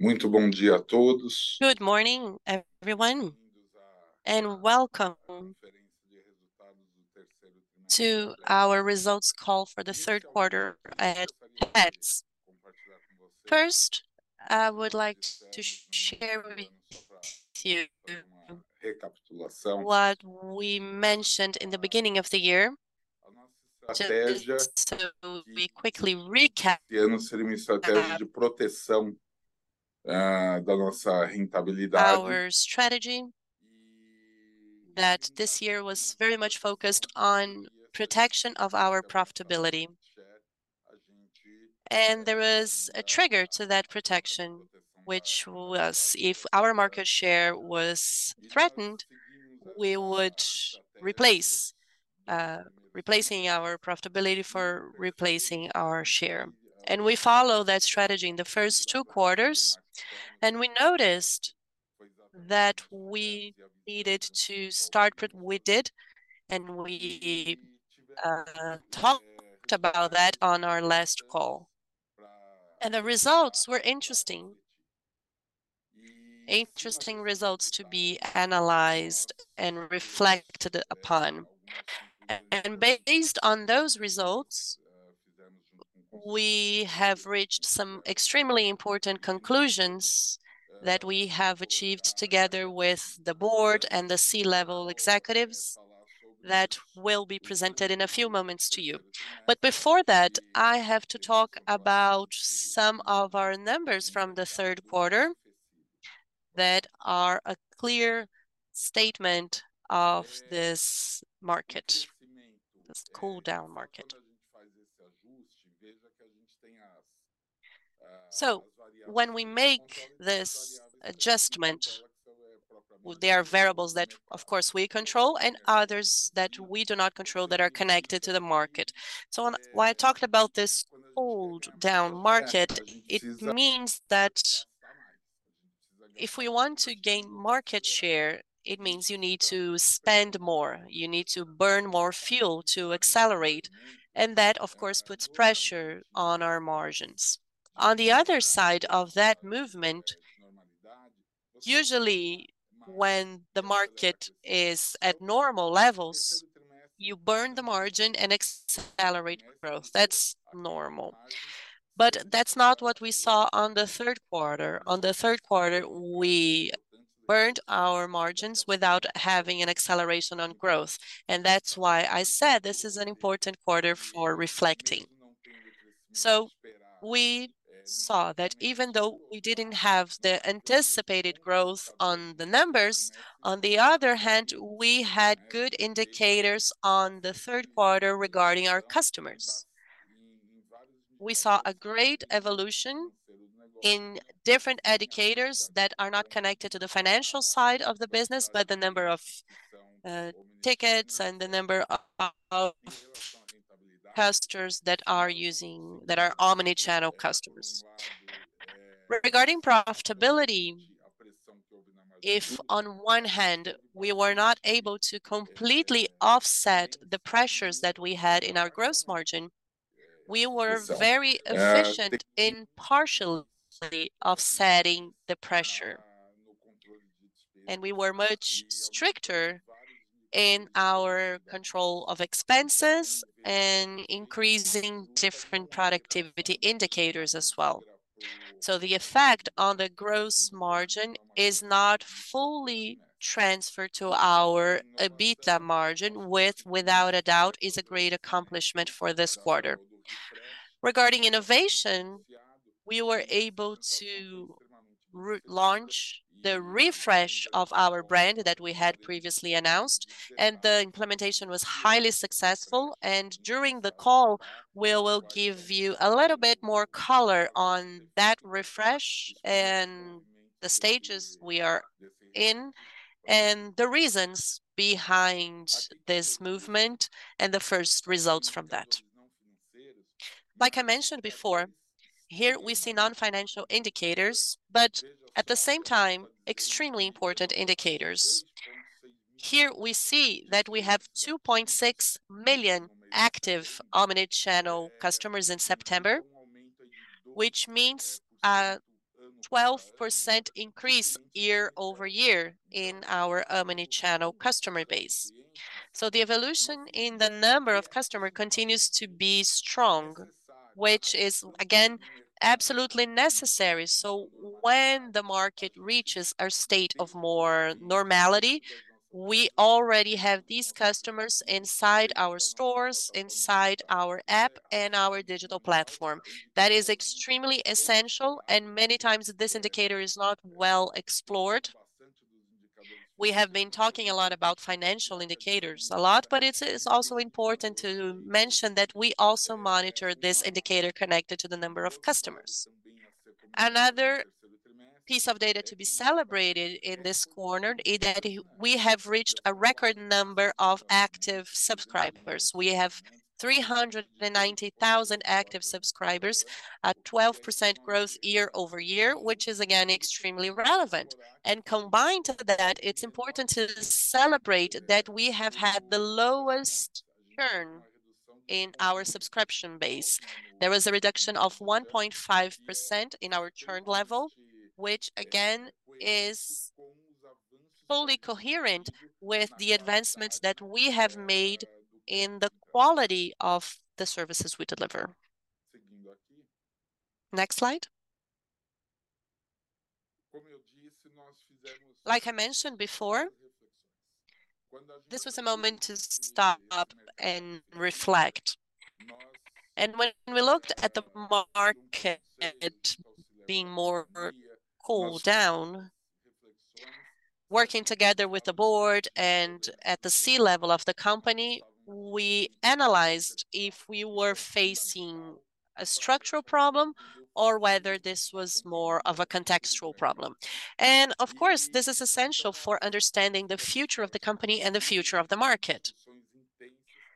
Good morning, everyone, and welcome to our results call for the third quarter at Petz. First, I would like to share with you what we mentioned in the beginning of the year. Just so we quickly recap, our strategy, that this year was very much focused on protection of our profitability. And there was a trigger to that protection, which was if our market share was threatened, we would replace, replacing our profitability for replacing our share. And we followed that strategy in the first two quarters, and we noticed that we needed to start with... We did, and we talked about that on our last call, and the results were interesting. Interesting results to be analyzed and reflected upon. Based on those results, we have reached some extremely important conclusions that we have achieved together with the board and the C-level executives, that will be presented in a few moments to you. But before that, I have to talk about some of our numbers from the third quarter that are a clear statement of this market, this cool down market. So when we make this adjustment, there are variables that of course we control, and others that we do not control, that are connected to the market. So when I talked about this cool down market, it means that if we want to gain market share, it means you need to spend more, you need to burn more fuel to accelerate, and that of course puts pressure on our margins. On the other side of that movement, usually when the market is at normal levels, you burn the margin and accelerate growth. That's normal. But that's not what we saw on the third quarter. On the third quarter, we burned our margins without having an acceleration on growth, and that's why I said this is an important quarter for reflecting. So we saw that even though we didn't have the anticipated growth on the numbers, on the other hand, we had good indicators on the third quarter regarding our customers. We saw a great evolution in different indicators that are not connected to the financial side of the business, but the number of tickets and the number of customers that are omni-channel customers. Regarding profitability, if on one hand, we were not able to completely offset the pressures that we had in our gross margin, we were very efficient in partially offsetting the pressure. And we were much stricter in our control of expenses and increasing different productivity indicators as well. So the effect on the gross margin is not fully transferred to our EBITDA margin, which without a doubt is a great accomplishment for this quarter. Regarding innovation, we were able to re-launch the refresh of our brand that we had previously announced, and the implementation was highly successful. And during the call, we will give you a little bit more color on that refresh and the stages we are in, and the reasons behind this movement, and the first results from that. Like I mentioned before, here we see non-financial indicators, but at the same time, extremely important indicators. Here we see that we have 2.6 million active omni-channel customers in September, which means a 12% increase year-over-year in our omni-channel customer base. So the evolution in the number of customers continues to be strong, which is again, absolutely necessary. So when the market reaches a state of more normality, we already have these customers inside our stores, inside our app, and our digital platform. That is extremely essential, and many times this indicator is not well explored. We have been talking a lot about financial indicators a lot, but it's, it's also important to mention that we also monitor this indicator connected to the number of customers. Another piece of data to be celebrated in this quarter is that we have reached a record number of active subscribers. We have 390,000 active subscribers, a 12% growth year-over-year, which is again, extremely relevant. Combined to that, it's important to celebrate that we have had the lowest churn in our subscription base. There was a reduction of 1.5% in our churn level, which again, is fully coherent with the advancements that we have made in the quality of the services we deliver. Next slide. Like I mentioned before, this was a moment to stop and reflect. When we looked at the market being more cooled down, working together with the board and at the C-level of the company, we analyzed if we were facing a structural problem or whether this was more of a contextual problem. Of course, this is essential for understanding the future of the company and the future of the market.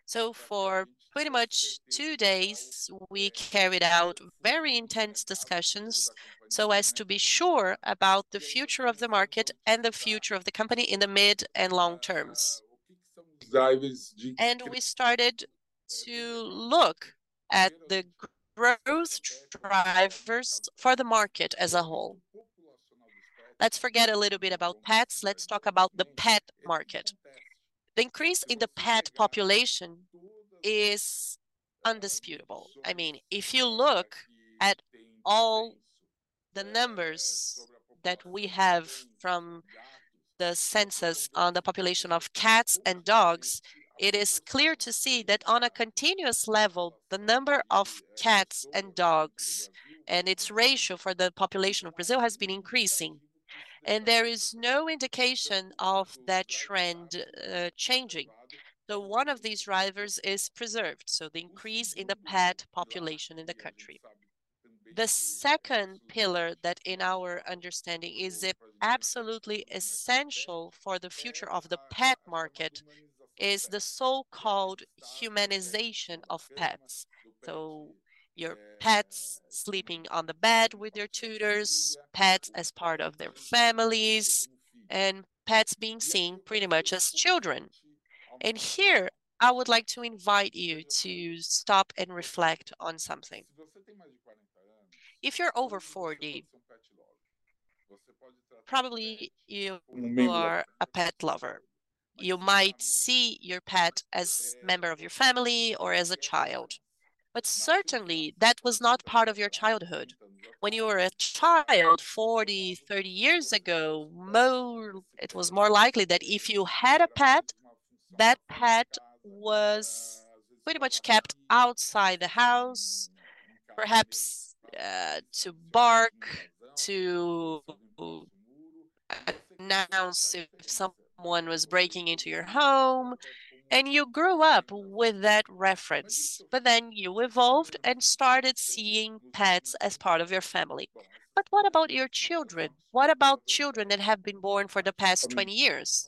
So for pretty much two days, we carried out very intense discussions so as to be sure about the future of the market and the future of the company in the mid and long terms. And we started to look at the growth drivers for the market as a whole. Let's forget a little bit about pets, let's talk about the pet market. The increase in the pet population is indisputable. I mean, if you look at all the numbers that we have from the census on the population of cats and dogs, it is clear to see that on a continuous level, the number of cats and dogs, and its ratio for the population of Brazil, has been increasing, and there is no indication of that trend changing, though one of these drivers is preserved, so the increase in the pet population in the country. The second pillar that, in our understanding, is absolutely essential for the future of the pet market, is the so-called humanization of pets. So your pets sleeping on the bed with their tutors, pets as part of their families, and pets being seen pretty much as children. And here, I would like to invite you to stop and reflect on something. If you're over 40, probably you are a pet lover. You might see your pet as member of your family or as a child, but certainly, that was not part of your childhood. When you were a child, 40, 30 years ago, more... It was more likely that if you had a pet, that pet was pretty much kept outside the house, perhaps to bark, to announce if someone was breaking into your home, and you grew up with that reference, but then you evolved and started seeing pets as part of your family. But what about your children? What about children that have been born for the past 20 years?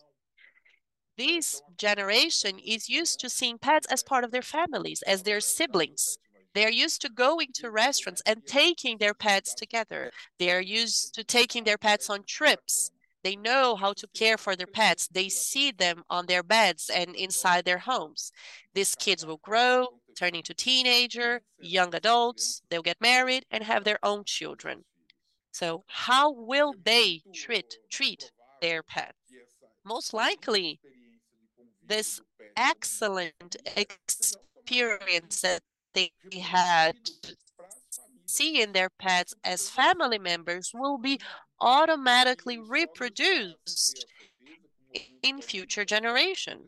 This generation is used to seeing pets as part of their families, as their siblings. They're used to going to restaurants and taking their pets together. They are used to taking their pets on trips. They know how to care for their pets. They see them on their beds and inside their homes. These kids will grow, turn into teenager, young adults, they'll get married and have their own children. So how will they treat, treat their pet? Most likely, this excellent experience that they had, seeing their pets as family members, will be automatically reproduced in future generations.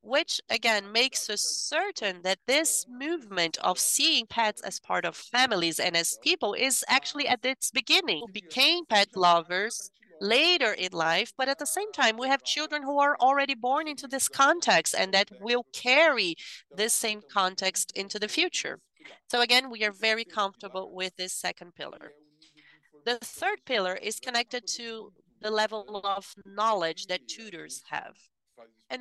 Which again makes us certain that this movement of seeing pets as part of families and as people is actually at its beginning. Became pet lovers later in life, but at the same time, we have children who are already born into this context, and that will carry this same context into the future. So again, we are very comfortable with this second pillar. The third pillar is connected to the level of knowledge that tutors have.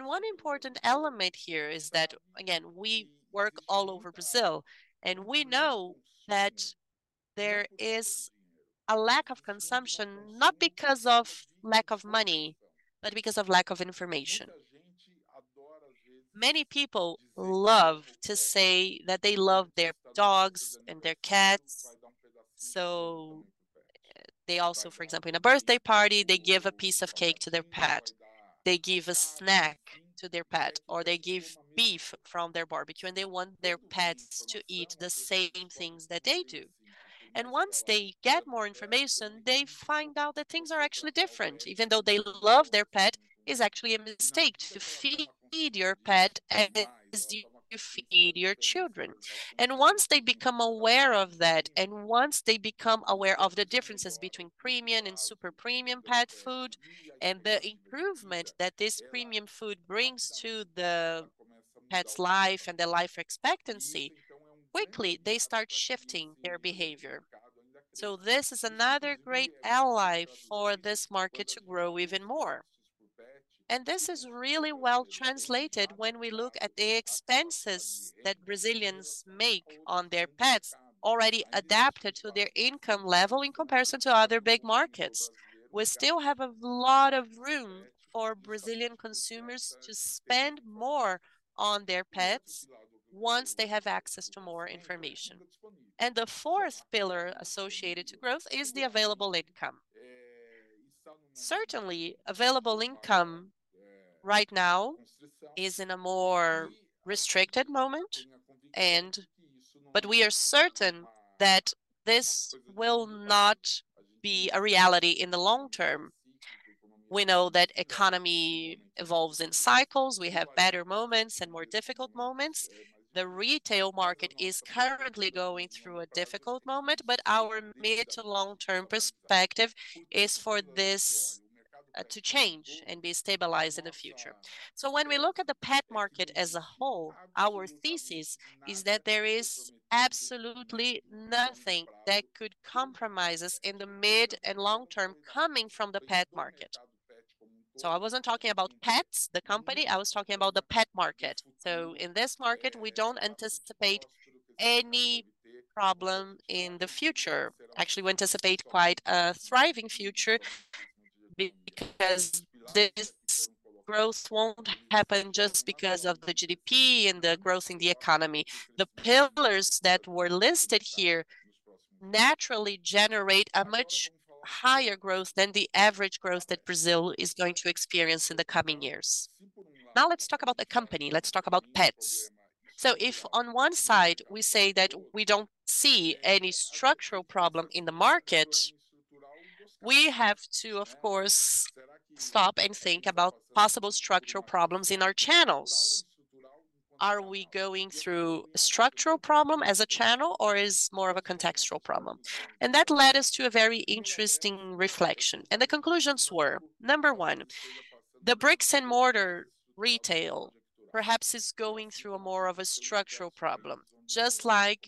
One important element here is that, again, we work all over Brazil, and we know that there is a lack of consumption, not because of lack of money, but because of lack of information. Many people love to say that they love their dogs and their cats, so they also, for example, in a birthday party, they give a piece of cake to their pet, they give a snack to their pet, or they give beef from their barbecue, and they want their pets to eat the same things that they do. Once they get more information, they find out that things are actually different. Even though they love their pet, it's actually a mistake to feed your pet as you feed your children. Once they become aware of that, and once they become aware of the differences between premium and super premium pet food, and the improvement that this premium food brings to the pet's life and the life expectancy, quickly they start shifting their behavior. This is another great ally for this market to grow even more. This is really well translated when we look at the expenses that Brazilians make on their pets, already adapted to their income level in comparison to other big markets. We still have a lot of room for Brazilian consumers to spend more on their pets once they have access to more information.... The fourth pillar associated to growth is the available income. Certainly, available income right now is in a more restricted moment, and, but we are certain that this will not be a reality in the long term. We know that economy evolves in cycles. We have better moments and more difficult moments. The retail market is currently going through a difficult moment, but our mid to long-term perspective is for this to change and be stabilized in the future. So when we look at the pet market as a whole, our thesis is that there is absolutely nothing that could compromise us in the mid and long term coming from the pet market. So I wasn't talking about Petz, the company, I was talking about the pet market. So in this market, we don't anticipate any problem in the future. Actually, we anticipate quite a thriving future, because this growth won't happen just because of the GDP and the growth in the economy. The pillars that were listed here naturally generate a much higher growth than the average growth that Brazil is going to experience in the coming years. Now, let's talk about the company. Let's talk about Petz. So if on one side we say that we don't see any structural problem in the market, we have to, of course, stop and think about possible structural problems in our channels. Are we going through a structural problem as a channel, or is more of a contextual problem? And that led us to a very interesting reflection, and the conclusions were: number one, the bricks-and-mortar retail perhaps is going through more of a structural problem, just like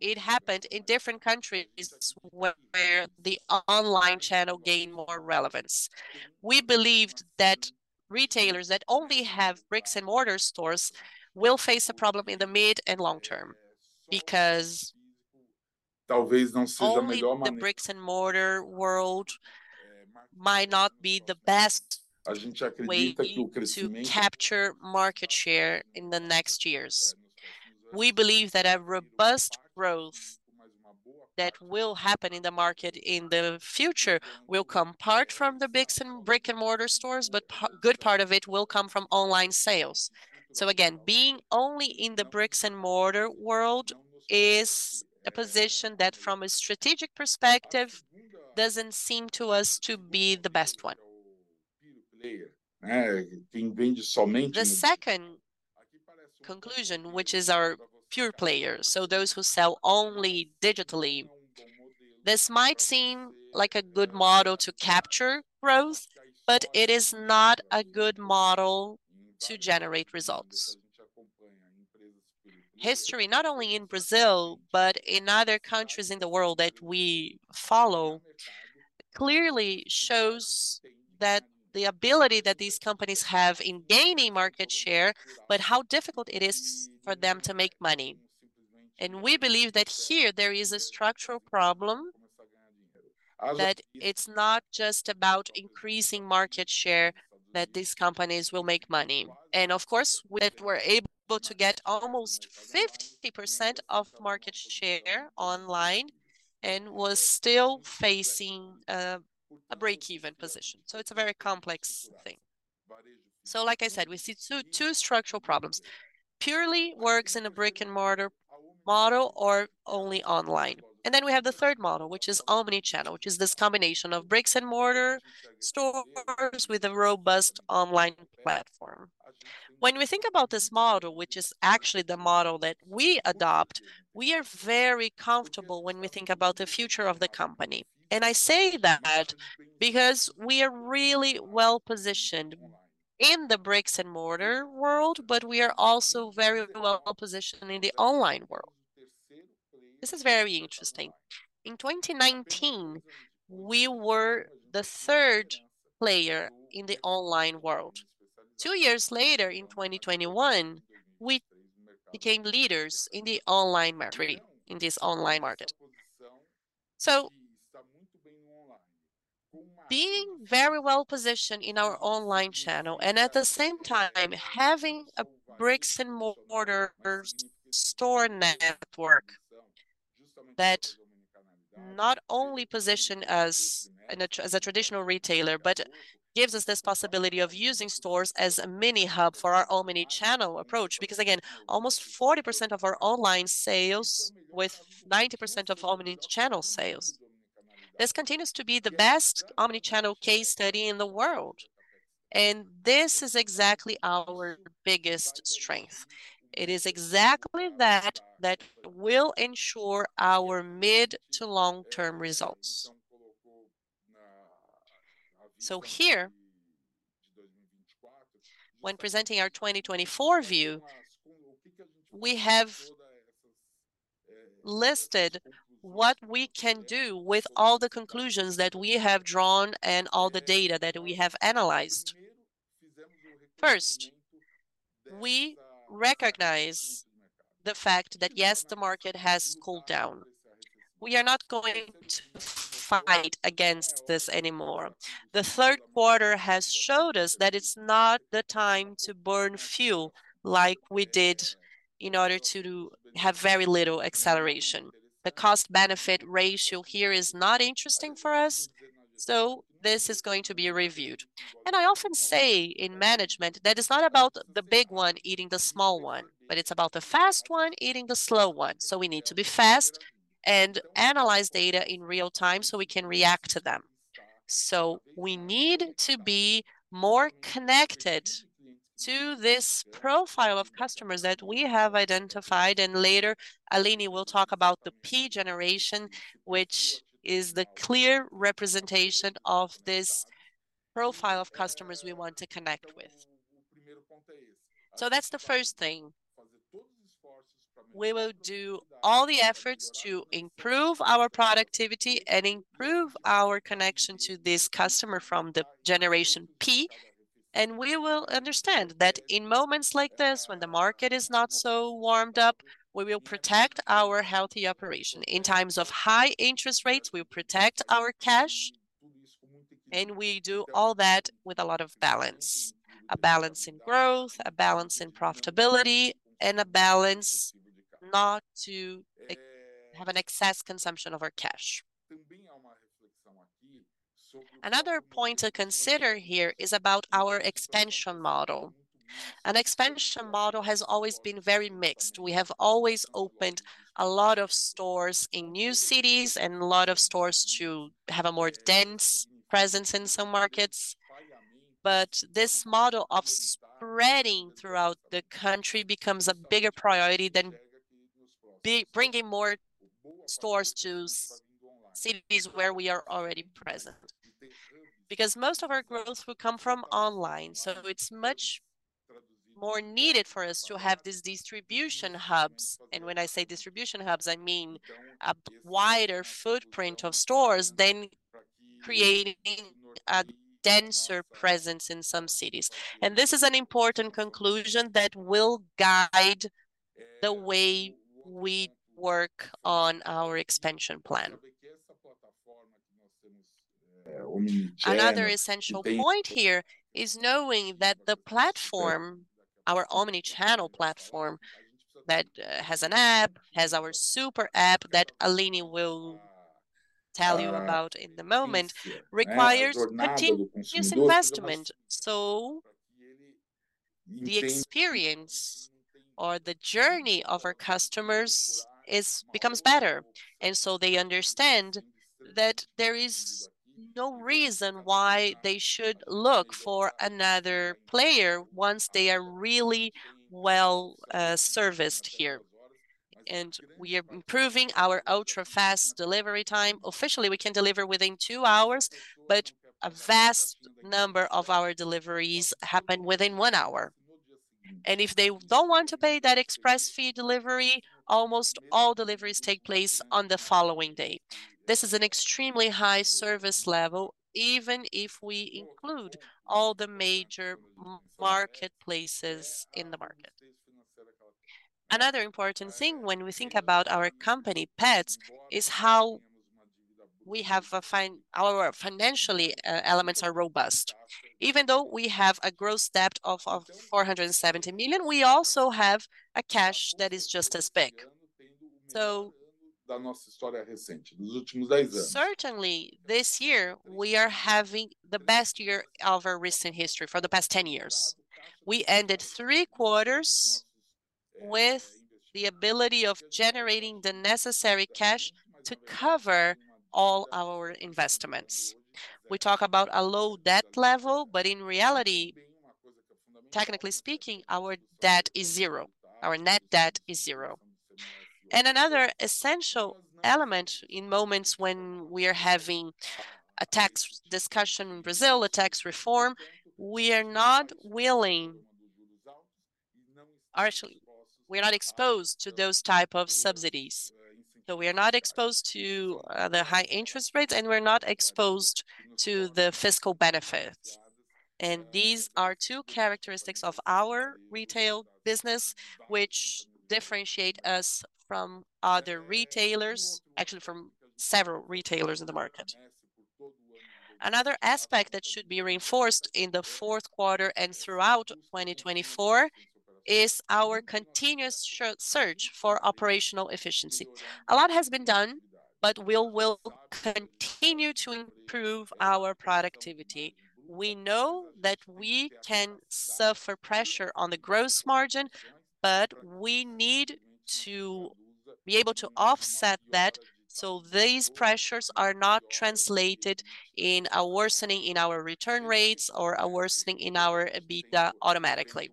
it happened in different countries where the online channel gained more relevance. We believed that retailers that only have bricks-and-mortar stores will face a problem in the mid and long term, because only the bricks-and-mortar world might not be the best way to capture market share in the next years. We believe that a robust growth that will happen in the market in the future will come partly from the bricks-and-mortar stores, but a good part of it will come from online sales. So again, being only in the bricks-and-mortar world is a position that, from a strategic perspective, doesn't seem to us to be the best one. The second conclusion, which is about pure players, so those who sell only digitally, this might seem like a good model to capture growth, but it is not a good model to generate results. History, not only in Brazil, but in other countries in the world that we follow, clearly shows that the ability that these companies have in gaining market share, but how difficult it is for them to make money. We believe that here there is a structural problem, that it's not just about increasing market share, that these companies will make money. And of course, that were able to get almost 50% of market share online and was still facing a break-even position. It's a very complex thing. Like I said, we see two, two structural problems: purely works in a brick-and-mortar model or only online. And then we have the third model, which is omni-channel, which is this combination of bricks-and-mortar stores with a robust online platform. When we think about this model, which is actually the model that we adopt, we are very comfortable when we think about the future of the company. And I say that because we are really well-positioned in the bricks-and-mortar world, but we are also very well-positioned in the online world. This is very interesting. In 2019, we were the third player in the online world. Two years later, in 2021, we became leaders in the online market, in this online market. So, being very well-positioned in our online channel and at the same time having a bricks-and-mortar store network, that not only position us as a traditional retailer, but gives us this possibility of using stores as a mini hub for our Omni-channel approach. Because, again, almost 40% of our online sales, with 90% of Omni-channel sales, this continues to be the best Omni-channel case study in the world, and this is exactly our biggest strength. It is exactly that, that will ensure our mid- to long-term results. So here, when presenting our 2024 view, we have listed what we can do with all the conclusions that we have drawn and all the data that we have analyzed. First, we recognize the fact that, yes, the market has cooled down. We are not going to fight against this anymore. The third quarter has showed us that it's not the time to burn fuel like we did in order to have very little acceleration. The cost-benefit ratio here is not interesting for us, so this is going to be reviewed. And I often say in management that it's not about the big one eating the small one, but it's about the fast one eating the slow one. So we need to be fast and analyze data in real time so we can react to them. So we need to be more connected to this profile of customers that we have identified, and later, Aline will talk about the P generation, which is the clear representation of this profile of customers we want to connect with. So that's the first thing. We will do all the efforts to improve our productivity and improve our connection to this customer from the Generation P, and we will understand that in moments like this, when the market is not so warmed up, we will protect our healthy operation. In times of high interest rates, we'll protect our cash, and we do all that with a lot of balance. A balance in growth, a balance in profitability, and a balance not to have an excess consumption of our cash. Another point to consider here is about our expansion model, and expansion model has always been very mixed. We have always opened a lot of stores in new cities, and a lot of stores to have a more dense presence in some markets. But this model of spreading throughout the country becomes a bigger priority than bringing more stores to cities where we are already present. Because most of our growth will come from online, so it's much more needed for us to have these distribution hubs. And when I say distribution hubs, I mean a wider footprint of stores than creating a denser presence in some cities. And this is an important conclusion that will guide the way we work on our expansion plan. Another essential point here is knowing that the platform, our omni-channel platform, that has an app, has our super app that Aline will tell you about in the moment, requires continuous investment, so the experience or the journey of our customers becomes better. So they understand that there is no reason why they should look for another player once they are really well serviced here. We are improving our ultra-fast delivery time. Officially, we can deliver within two hours, but a vast number of our deliveries happen within one hour. If they don't want to pay that express fee delivery, almost all deliveries take place on the following day. This is an extremely high service level, even if we include all the major marketplaces in the market. Another important thing when we think about our company, Petz, is how we have a financially, our financially, elements are robust. Even though we have a gross debt of 470 million, we also have a cash that is just as big. So, certainly, this year we are having the best year of our recent history for the past 10 years. We ended three quarters with the ability of generating the necessary cash to cover all our investments. We talk about a low debt level, but in reality, technically speaking, our debt is zero. Our net debt is zero. And another essential element in moments when we are having a tax discussion in Brazil, a tax reform, we are not willing. Actually, we're not exposed to those type of subsidies. So we are not exposed to the high interest rates, and we're not exposed to the fiscal benefits. And these are two characteristics of our retail business, which differentiate us from other retailers, actually from several retailers in the market. Another aspect that should be reinforced in the fourth quarter and throughout 2024 is our continuous search for operational efficiency. A lot has been done, but we will continue to improve our productivity. We know that we can suffer pressure on the gross margin, but we need to be able to offset that, so these pressures are not translated in a worsening in our return rates or a worsening in our EBITDA automatically.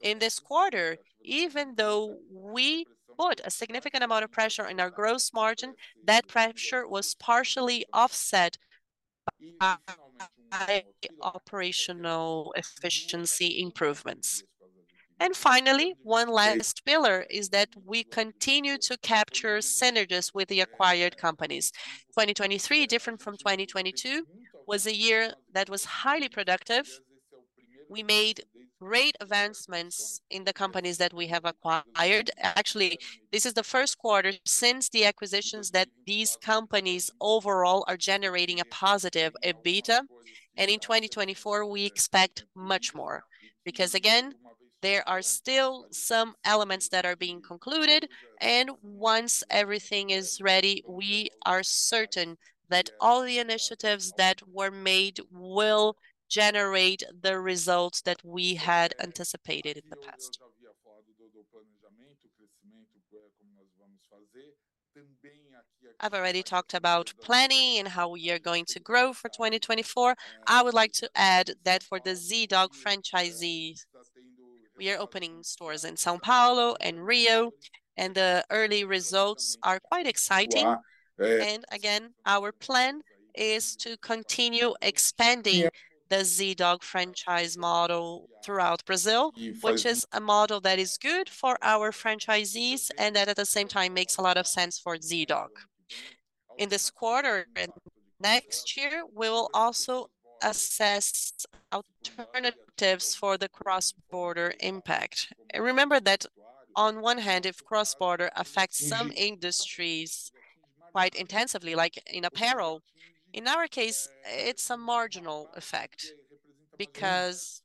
In this quarter, even though we put a significant amount of pressure on our gross margin, that pressure was partially offset by operational efficiency improvements. And finally, one last pillar is that we continue to capture synergies with the acquired companies. 2023, different from 2022, was a year that was highly productive. We made great advancements in the companies that we have acquired. Actually, this is the first quarter since the acquisitions that these companies overall are generating a positive EBITDA, and in 2024, we expect much more. Because again, there are still some elements that are being concluded, and once everything is ready, we are certain that all the initiatives that were made will generate the results that we had anticipated in the past. I've already talked about planning and how we are going to grow for 2024. I would like to add that for the Zee.Dog franchisee, we are opening stores in São Paulo and Rio, and the early results are quite exciting. Again, our plan is to continue expanding the Zee.Dog franchise model throughout Brazil, which is a model that is good for our franchisees, and that at the same time makes a lot of sense for Zee.Dog. In this quarter and next year, we will also assess alternatives for the cross-border impact. Remember that on one hand, if cross-border affects some industries quite intensively, like in apparel, in our case, it's a marginal effect because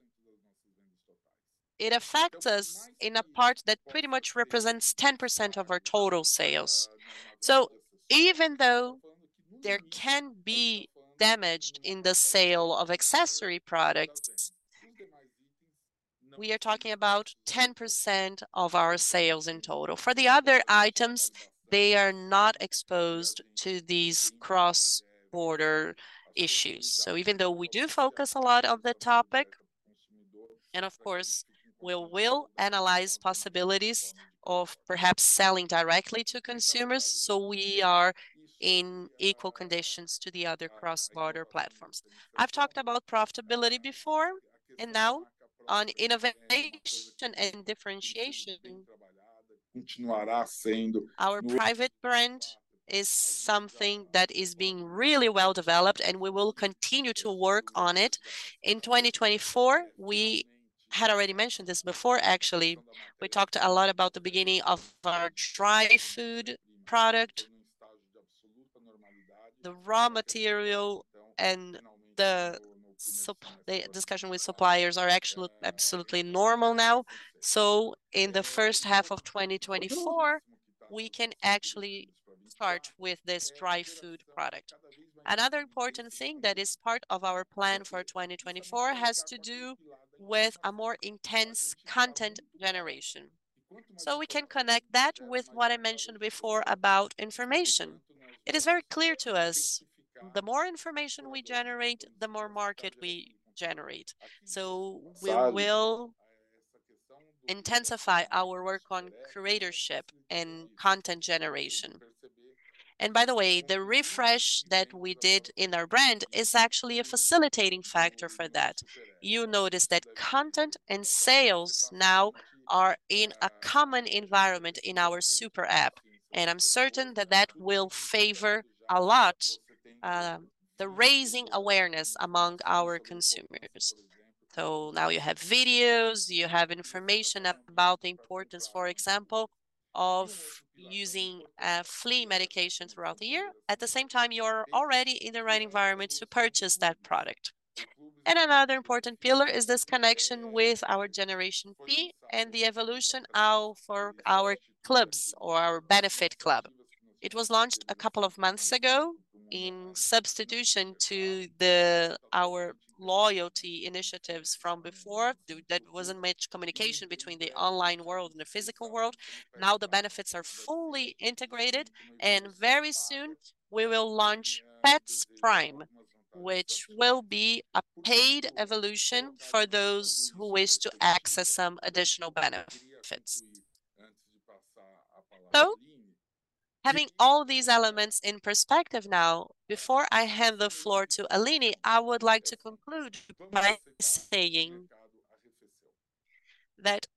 it affects us in a part that pretty much represents 10% of our total sales. So even though there can be damage in the sale of accessory products, we are talking about 10% of our sales in total. For the other items, they are not exposed to these cross-border issues. So even though we do focus a lot on the topic, and of course, we will analyze possibilities of perhaps selling directly to consumers, so we are in equal conditions to the other cross-border platforms. I've talked about profitability before, and now on innovation and differentiation, our private brand is something that is being really well-developed, and we will continue to work on it. In 2024, we had already mentioned this before, actually. We talked a lot about the beginning of our dry food product. The raw material and the discussion with suppliers are actually absolutely normal now. So in the first half of 2024, we can actually start with this dry food product. Another important thing that is part of our plan for 2024 has to do with a more intense content generation. So we can connect that with what I mentioned before about information. It is very clear to us, the more information we generate, the more market we generate. So we will intensify our work on creatorship and content generation. And by the way, the refresh that we did in our brand is actually a facilitating factor for that. You'll notice that content and sales now are in a common environment in our super app, and I'm certain that that will favor a lot, the raising awareness among our consumers. So now you have videos, you have information about the importance, for example, of using flea medication throughout the year. At the same time, you are already in the right environment to purchase that product. And another important pillar is this connection with our Generation P and the evolution now for our clubs or our benefit club. It was launched a couple of months ago in substitution to the...our loyalty initiatives from before. There, there wasn't much communication between the online world and the physical world. Now the benefits are fully integrated, and very soon, we will launch Petz Prime, which will be a paid evolution for those who wish to access some additional benefits. So having all these elements in perspective now, before I hand the floor to Aline, I would like to conclude by saying that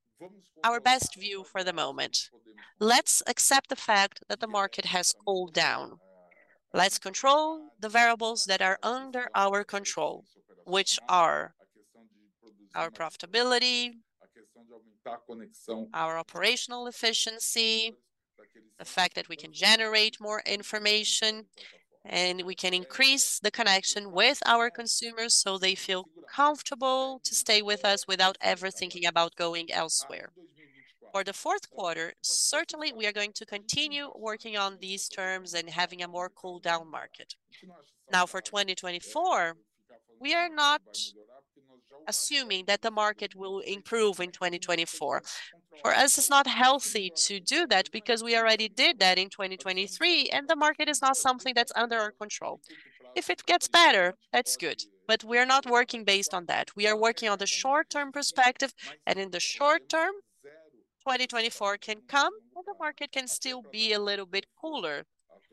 our best view for the moment, let's accept the fact that the market has cooled down. Let's control the variables that are under our control, which are our profitability, our operational efficiency, the fact that we can generate more information, and we can increase the connection with our consumers so they feel comfortable to stay with us without ever thinking about going elsewhere. For the fourth quarter, certainly, we are going to continue working on these terms and having a more cooled down market. Now, for 2024, we are not assuming that the market will improve in 2024. For us, it's not healthy to do that because we already did that in 2023, and the market is not something that's under our control. If it gets better, that's good, but we're not working based on that. We are working on the short-term perspective, and in the short term, 2024 can come, and the market can still be a little bit cooler.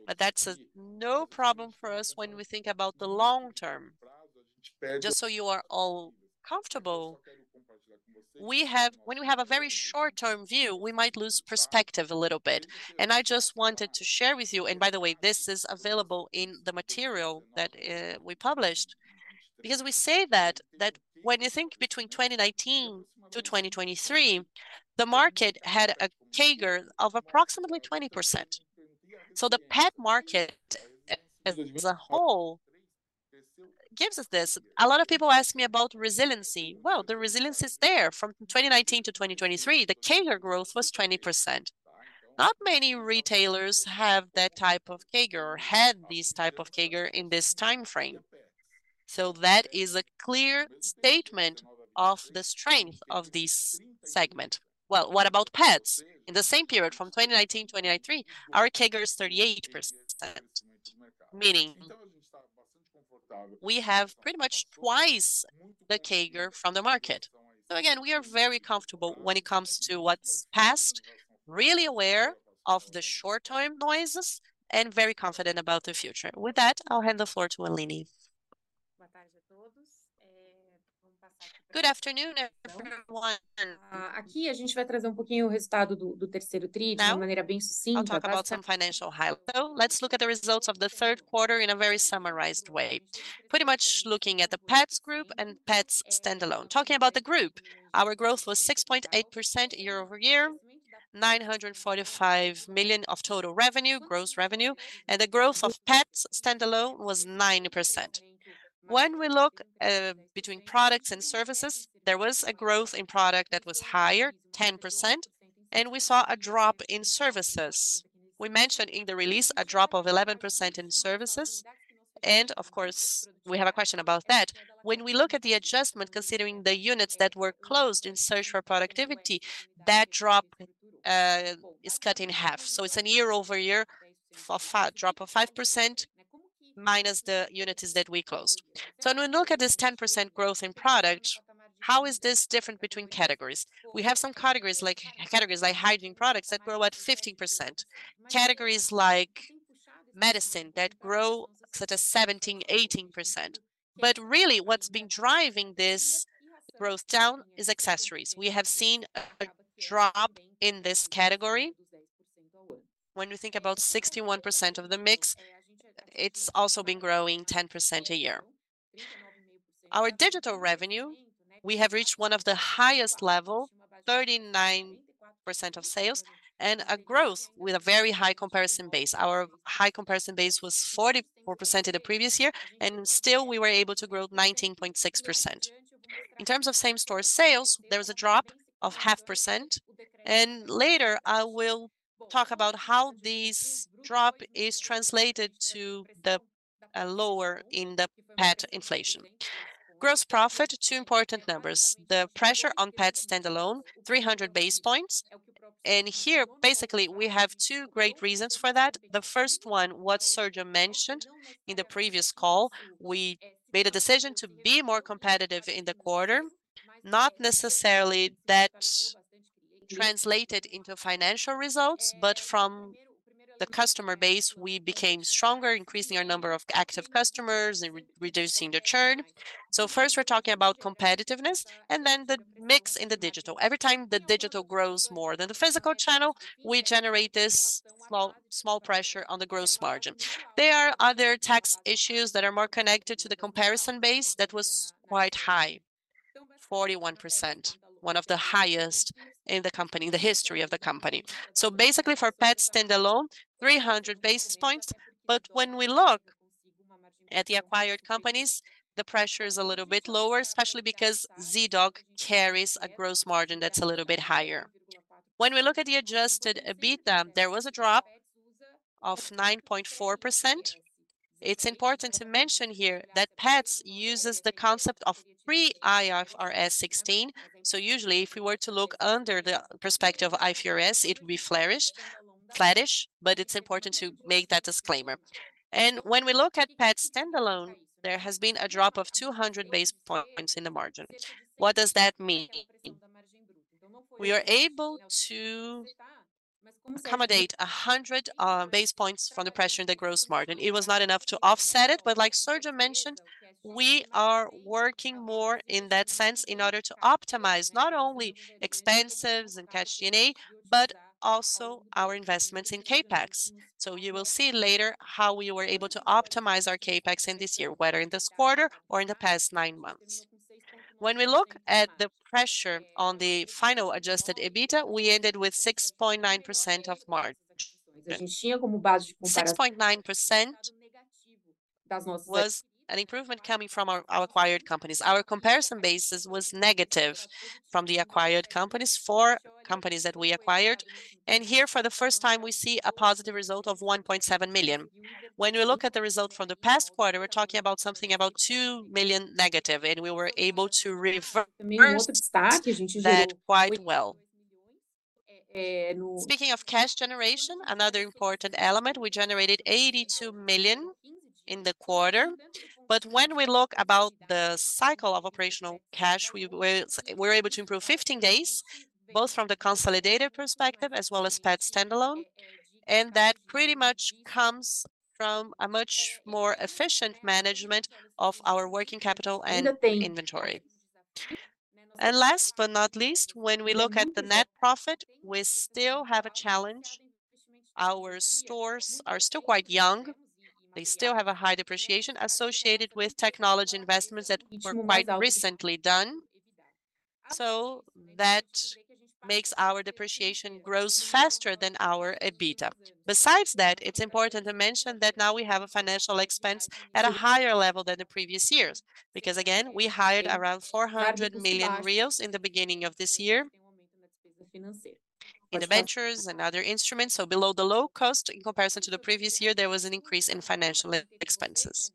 But that's no problem for us when we think about the long term. Just so you are all comfortable, we have, when we have a very short-term view, we might lose perspective a little bit. I just wanted to share with you, and by the way, this is available in the material that we published. Because we say that when you think between 2019 to 2023, the market had a CAGR of approximately 20%. So the pet market as a whole gives us this. A lot of people ask me about resiliency. Well, the resilience is there. From 2019 to 2023, the CAGR growth was 20%. Not many retailers have that type of CAGR or had this type of CAGR in this timeframe. So that is a clear statement of the strength of this segment. Well, what about Petz? In the same period, from 2019 to 2023, our CAGR is 38%, meaning we have pretty much twice the CAGR from the market. So again, we are very comfortable when it comes to what's past, really aware of the short-term noises, and very confident about the future. With that, I'll hand the floor to Aline. Good afternoon, everyone. Now I'll talk about some financial highlights. So let's look at the results of the third quarter in a very summarized way. Pretty much looking at the Petz Group and Petz Standalone. Talking about the group, our growth was 6.8% year-over-year, 945 million of total revenue, gross revenue, and the growth of Petz Standalone was 9%. When we look between products and services, there was a growth in product that was higher, 10%, and we saw a drop in services. We mentioned in the release a drop of 11% in services, and of course, we have a question about that. When we look at the adjustment, considering the units that were closed in search for productivity, that drop is cut in half. So it's a year-over-year drop of 5% minus the units that we closed. So when we look at this 10% growth in product, how is this different between categories? We have some categories like, categories like hygiene products that grow at 50%. Categories like medicine that grow such as 17%, 18%. But really, what's been driving this growth down is accessories. When you think about 61% of the mix, it's also been growing 10% a year. Our digital revenue, we have reached one of the highest level, 39% of sales, and a growth with a very high comparison base. Our high comparison base was 44% in the previous year, and still we were able to grow 19.6%. In terms of same-store sales, there was a drop of 0.5%, and later I will talk about how this drop is translated to the lower in the pet inflation. Gross profit, two important numbers: the pressure on pet standalone, 300 basis points, and here, basically, we have two great reasons for that. The first one, what Sergio mentioned in the previous call, we made a decision to be more competitive in the quarter. Not necessarily that translated into financial results, but from the customer base, we became stronger, increasing our number of active customers and re-reducing the churn. So first, we're talking about competitiveness, and then the mix in the digital. Every time the digital grows more than the physical channel, we generate this small, small pressure on the gross margin. There are other tax issues that are more connected to the comparison base that was quite high, 41%, one of the highest in the company, the history of the company. So basically, for Petz standalone, 300 basis points. But when we look at the acquired companies, the pressure is a little bit lower, especially because Zee.Dog carries a gross margin that's a little bit higher. When we look at the adjusted EBITDA, there was a drop of 9.4%. It's important to mention here that Petz uses the concept of pre-IFRS 16. So usually, if we were to look under the perspective of IFRS, it would be flattish, but it's important to make that disclaimer. When we look at Petz Standalone, there has been a drop of 200 basis points in the margin. What does that mean? We are able to accommodate 100 basis points from the pressure in the gross margin. It was not enough to offset it, but like Sergio mentioned, we are working more in that sense in order to optimize not only expenses and cash DNA, but also our investments in CapEx. So you will see later how we were able to optimize our CapEx in this year, whether in this quarter or in the past nine months. When we look at the pressure on the final adjusted EBITDA, we ended with 6.9% of margin. 6.9% was an improvement coming from our acquired companies. Our comparison basis was negative from the acquired companies, four companies that we acquired, and here, for the first time, we see a positive result of 1.7 million. When we look at the result from the past quarter, we're talking about something about -2 million, and we were able to reverse that quite well. Speaking of cash generation, another important element, we generated 82 million in the quarter. But when we look about the cycle of operational cash, we're able to improve 15 days, both from the consolidated perspective as well as Petz Standalone, and that pretty much comes from a much more efficient management of our working capital and inventory. And last but not least, when we look at the net profit, we still have a challenge... our stores are still quite young. They still have a high depreciation associated with technology investments that were quite recently done, so that makes our depreciation grows faster than our EBITDA. Besides that, it's important to mention that now we have a financial expense at a higher level than the previous years, because, again, we hired around 400 million in the beginning of this year in the ventures and other instruments, so below the low cost in comparison to the previous year, there was an increase in financial expenses.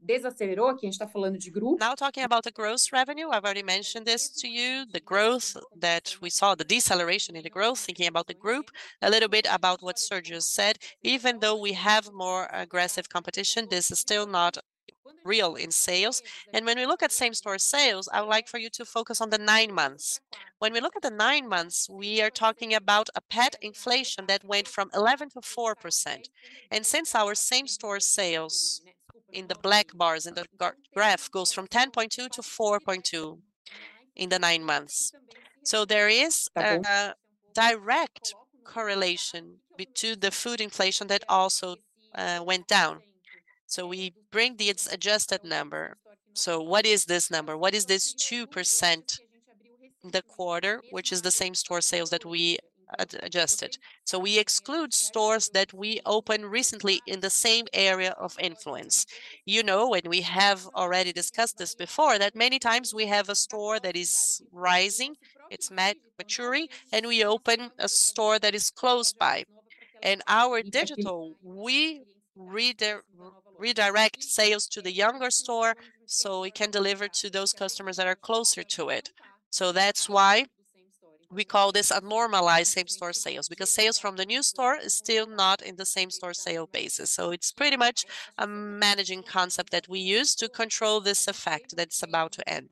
Now, talking about the gross revenue, I've already mentioned this to you, the growth that we saw, the deceleration in the growth, thinking about the group, a little bit about what Sergio said. Even though we have more aggressive competition, this is still not real in sales. And when we look at same-store sales, I would like for you to focus on the nine months. When we look at the nine months, we are talking about a pet inflation that went from 11% to 4%, and since our same-store sales in the black bars in the graph goes from 10.2 to 4.2 in the nine months. So there is a direct correlation between the food inflation that also went down. So we bring the its adjusted number. So what is this number? What is this 2% in the quarter, which is the same-store sales that we adjusted? So we exclude stores that we opened recently in the same area of influence. You know, and we have already discussed this before, that many times we have a store that is rising, it's maturing, and we open a store that is close by. And our digital, we redirect sales to the younger store, so we can deliver to those customers that are closer to it. So that's why we call this a normalized same-store sales, because sales from the new store is still not in the same-store sale basis. So it's pretty much a managing concept that we use to control this effect that's about to end.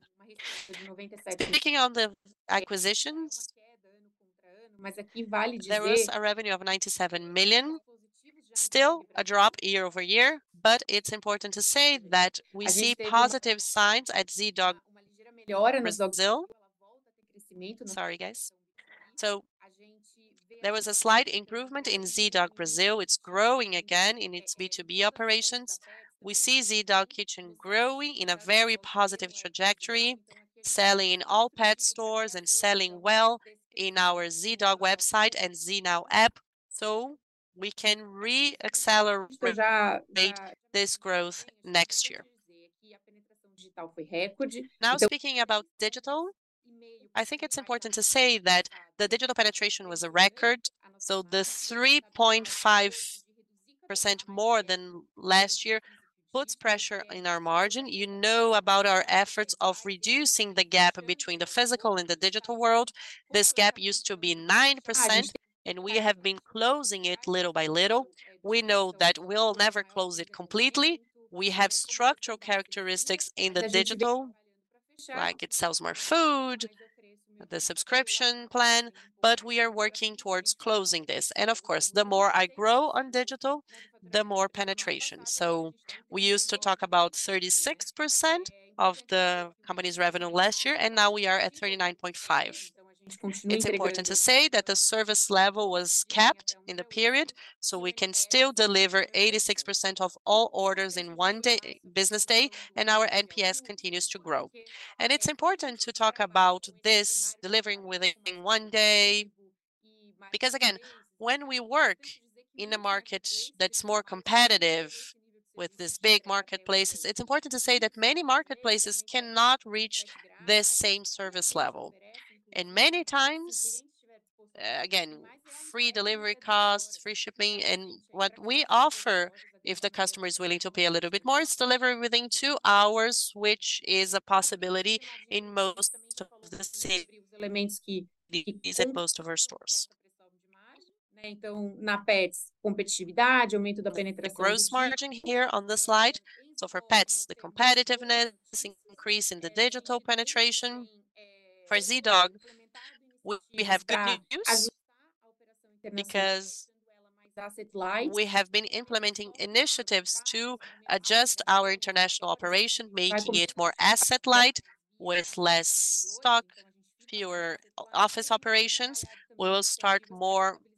Speaking on the acquisitions, there was revenue of 97 million, still a drop year-over-year. But it's important to say that we see positive signs at Zee.Dog, Zee.Dog Brazil. Sorry, guys. So there was a slight improvement in Zee.Dog Brazil. It's growing again in its B2B operations. We see Zee.Dog Kitchen growing in a very positive trajectory, selling in all pet stores and selling well in our Zee.Dog website and Zee.Now app, so we can re-accelerate this growth next year. Now, speaking about digital, I think it's important to say that the digital penetration was a record, so the 3.5% more than last year puts pressure in our margin. You know about our efforts of reducing the gap between the physical and the digital world. This gap used to be 9%, and we have been closing it little by little. We know that we'll never close it completely. We have structural characteristics in the digital, like it sells more food, the subscription plan, but we are working towards closing this. And of course, the more I grow on digital, the more penetration. So we used to talk about 36% of the company's revenue last year, and now we are at 39.5%. It's important to say that the service level was kept in the period, so we can still deliver 86% of all orders in one day, business day, and our NPS continues to grow. It's important to talk about this delivering within one day, because, again, when we work in a market that's more competitive with these big marketplaces, it's important to say that many marketplaces cannot reach this same service level. And many times, again, free delivery costs, free shipping, and what we offer, if the customer is willing to pay a little bit more, is delivery within two hours, which is a possibility in most of the cities, in most of our stores. The gross margin here on the slide, so for Petz, the competitiveness, increase in the digital penetration. For Zee.Dog, we, we have good news, because we have been implementing initiatives to adjust our international operation, making it more asset light with less stock, fewer office operations. We will start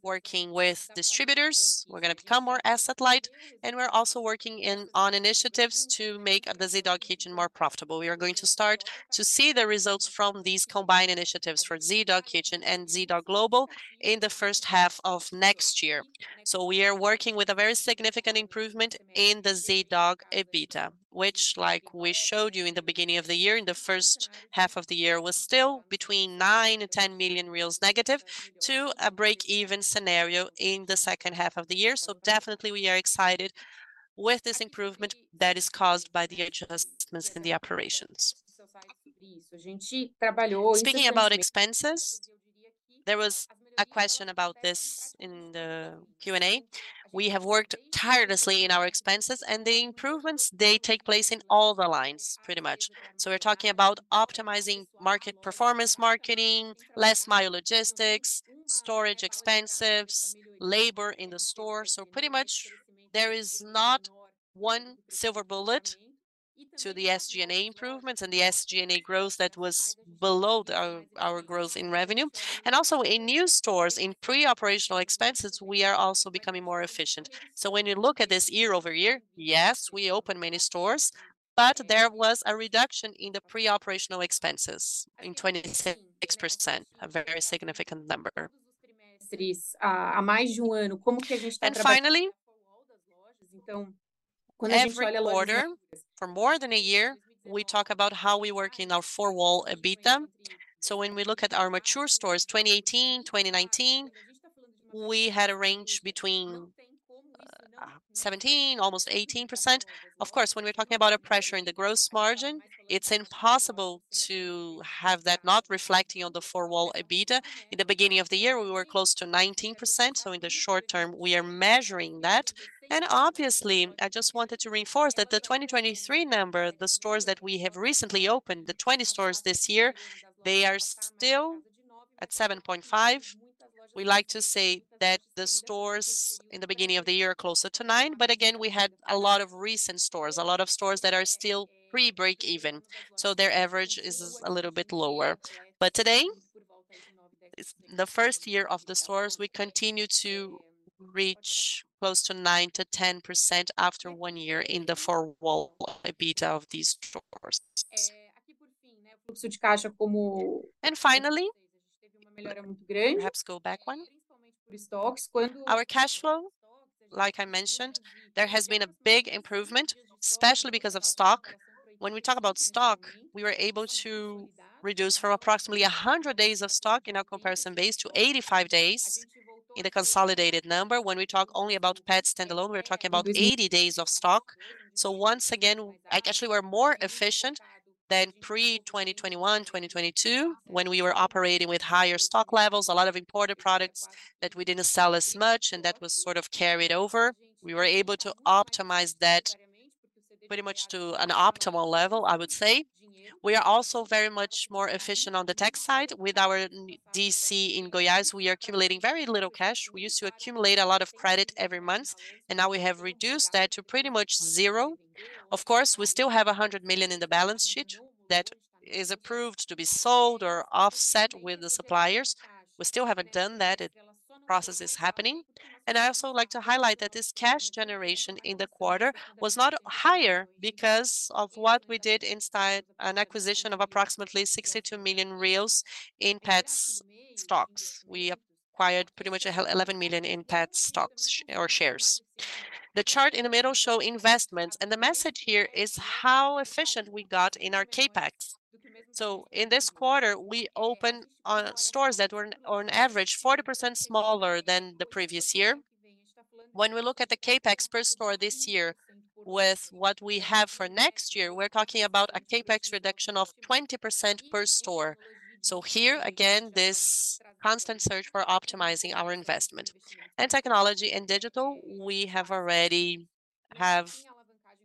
more working with distributors. We're gonna become more asset light, and we're also working in, on initiatives to make the Zee.Dog Kitchen more profitable. We are going to start to see the results from these combined initiatives for Zee.Dog Kitchen and Zee.Dog Global in the first half of next year. So we are working with a very significant improvement in the Zee.Dog EBITDA, which, like we showed you in the beginning of the year, in the first half of the year, was still between 9 million and -10 million to a break-even scenario in the second half of the year. So definitely we are excited with this improvement that is caused by the adjustments in the operations. Speaking about expenses, there was a question about this in the Q&A. We have worked tirelessly in our expenses, and the improvements, they take place in all the lines, pretty much. So we're talking about optimizing market performance, marketing, less mile logistics, storage expenses, labor in the store. So pretty much, there is not one silver bullet to the SG&A improvements and the SG&A growth that was below the, our, our growth in revenue. And also in new stores, in pre-operational expenses, we are also becoming more efficient. So when you look at this year-over-year, yes, we opened many stores, but there was a reduction in the pre-operational expenses in 26%, a very significant number. And finally, every quarter for more than a year, we talk about how we work in our four-wall EBITDA. So when we look at our mature stores, 2018, 2019, we had a range between 17%, almost 18%. Of course, when we're talking about a pressure in the gross margin, it's impossible to have that not reflecting on the four-wall EBITDA. In the beginning of the year, we were close to 19%, so in the short term, we are measuring that. And obviously, I just wanted to reinforce that the 2023 number, the stores that we have recently opened, the 20 stores this year, they are still at 7.5. We like to say that the stores in the beginning of the year are closer to nine, but again, we had a lot of recent stores, a lot of stores that are still pre-break even, so their average is a little bit lower. But today, it's the first year of the stores. We continue to reach close to 9%-10% after one year in the Four-wall EBITDA of these stores. And finally, perhaps go back one. Our cash flow, like I mentioned, there has been a big improvement, especially because of stock. When we talk about stock, we were able to reduce from approximately 100 days of stock in our comparison base to 85 days in a consolidated number. When we talk only about Petz Standalone, we're talking about 80 days of stock. So once again, actually, we're more efficient than pre-2021, 2022, when we were operating with higher stock levels, a lot of imported products that we didn't sell as much, and that was sort of carried over. We were able to optimize that pretty much to an optimal level, I would say. We are also very much more efficient on the tech side. With our DC in Goiás, we are accumulating very little cash. We used to accumulate a lot of credit every month, and now we have reduced that to pretty much zero. Of course, we still have 100 million in the balance sheet that is approved to be sold or offset with the suppliers. We still haven't done that. The process is happening. And I also like to highlight that this cash generation in the quarter was not higher because of what we did inside an acquisition of approximately 62 million reais in Petz stocks. We acquired pretty much 11 million in Petz stocks or shares. The chart in the middle shows investments, and the message here is how efficient we got in our CapEx. So in this quarter, we opened stores that were on average 40% smaller than the previous year. When we look at the CapEx per store this year with what we have for next year, we're talking about a CapEx reduction of 20% per store. So here, again, this constant search for optimizing our investment. In technology and digital, we have already have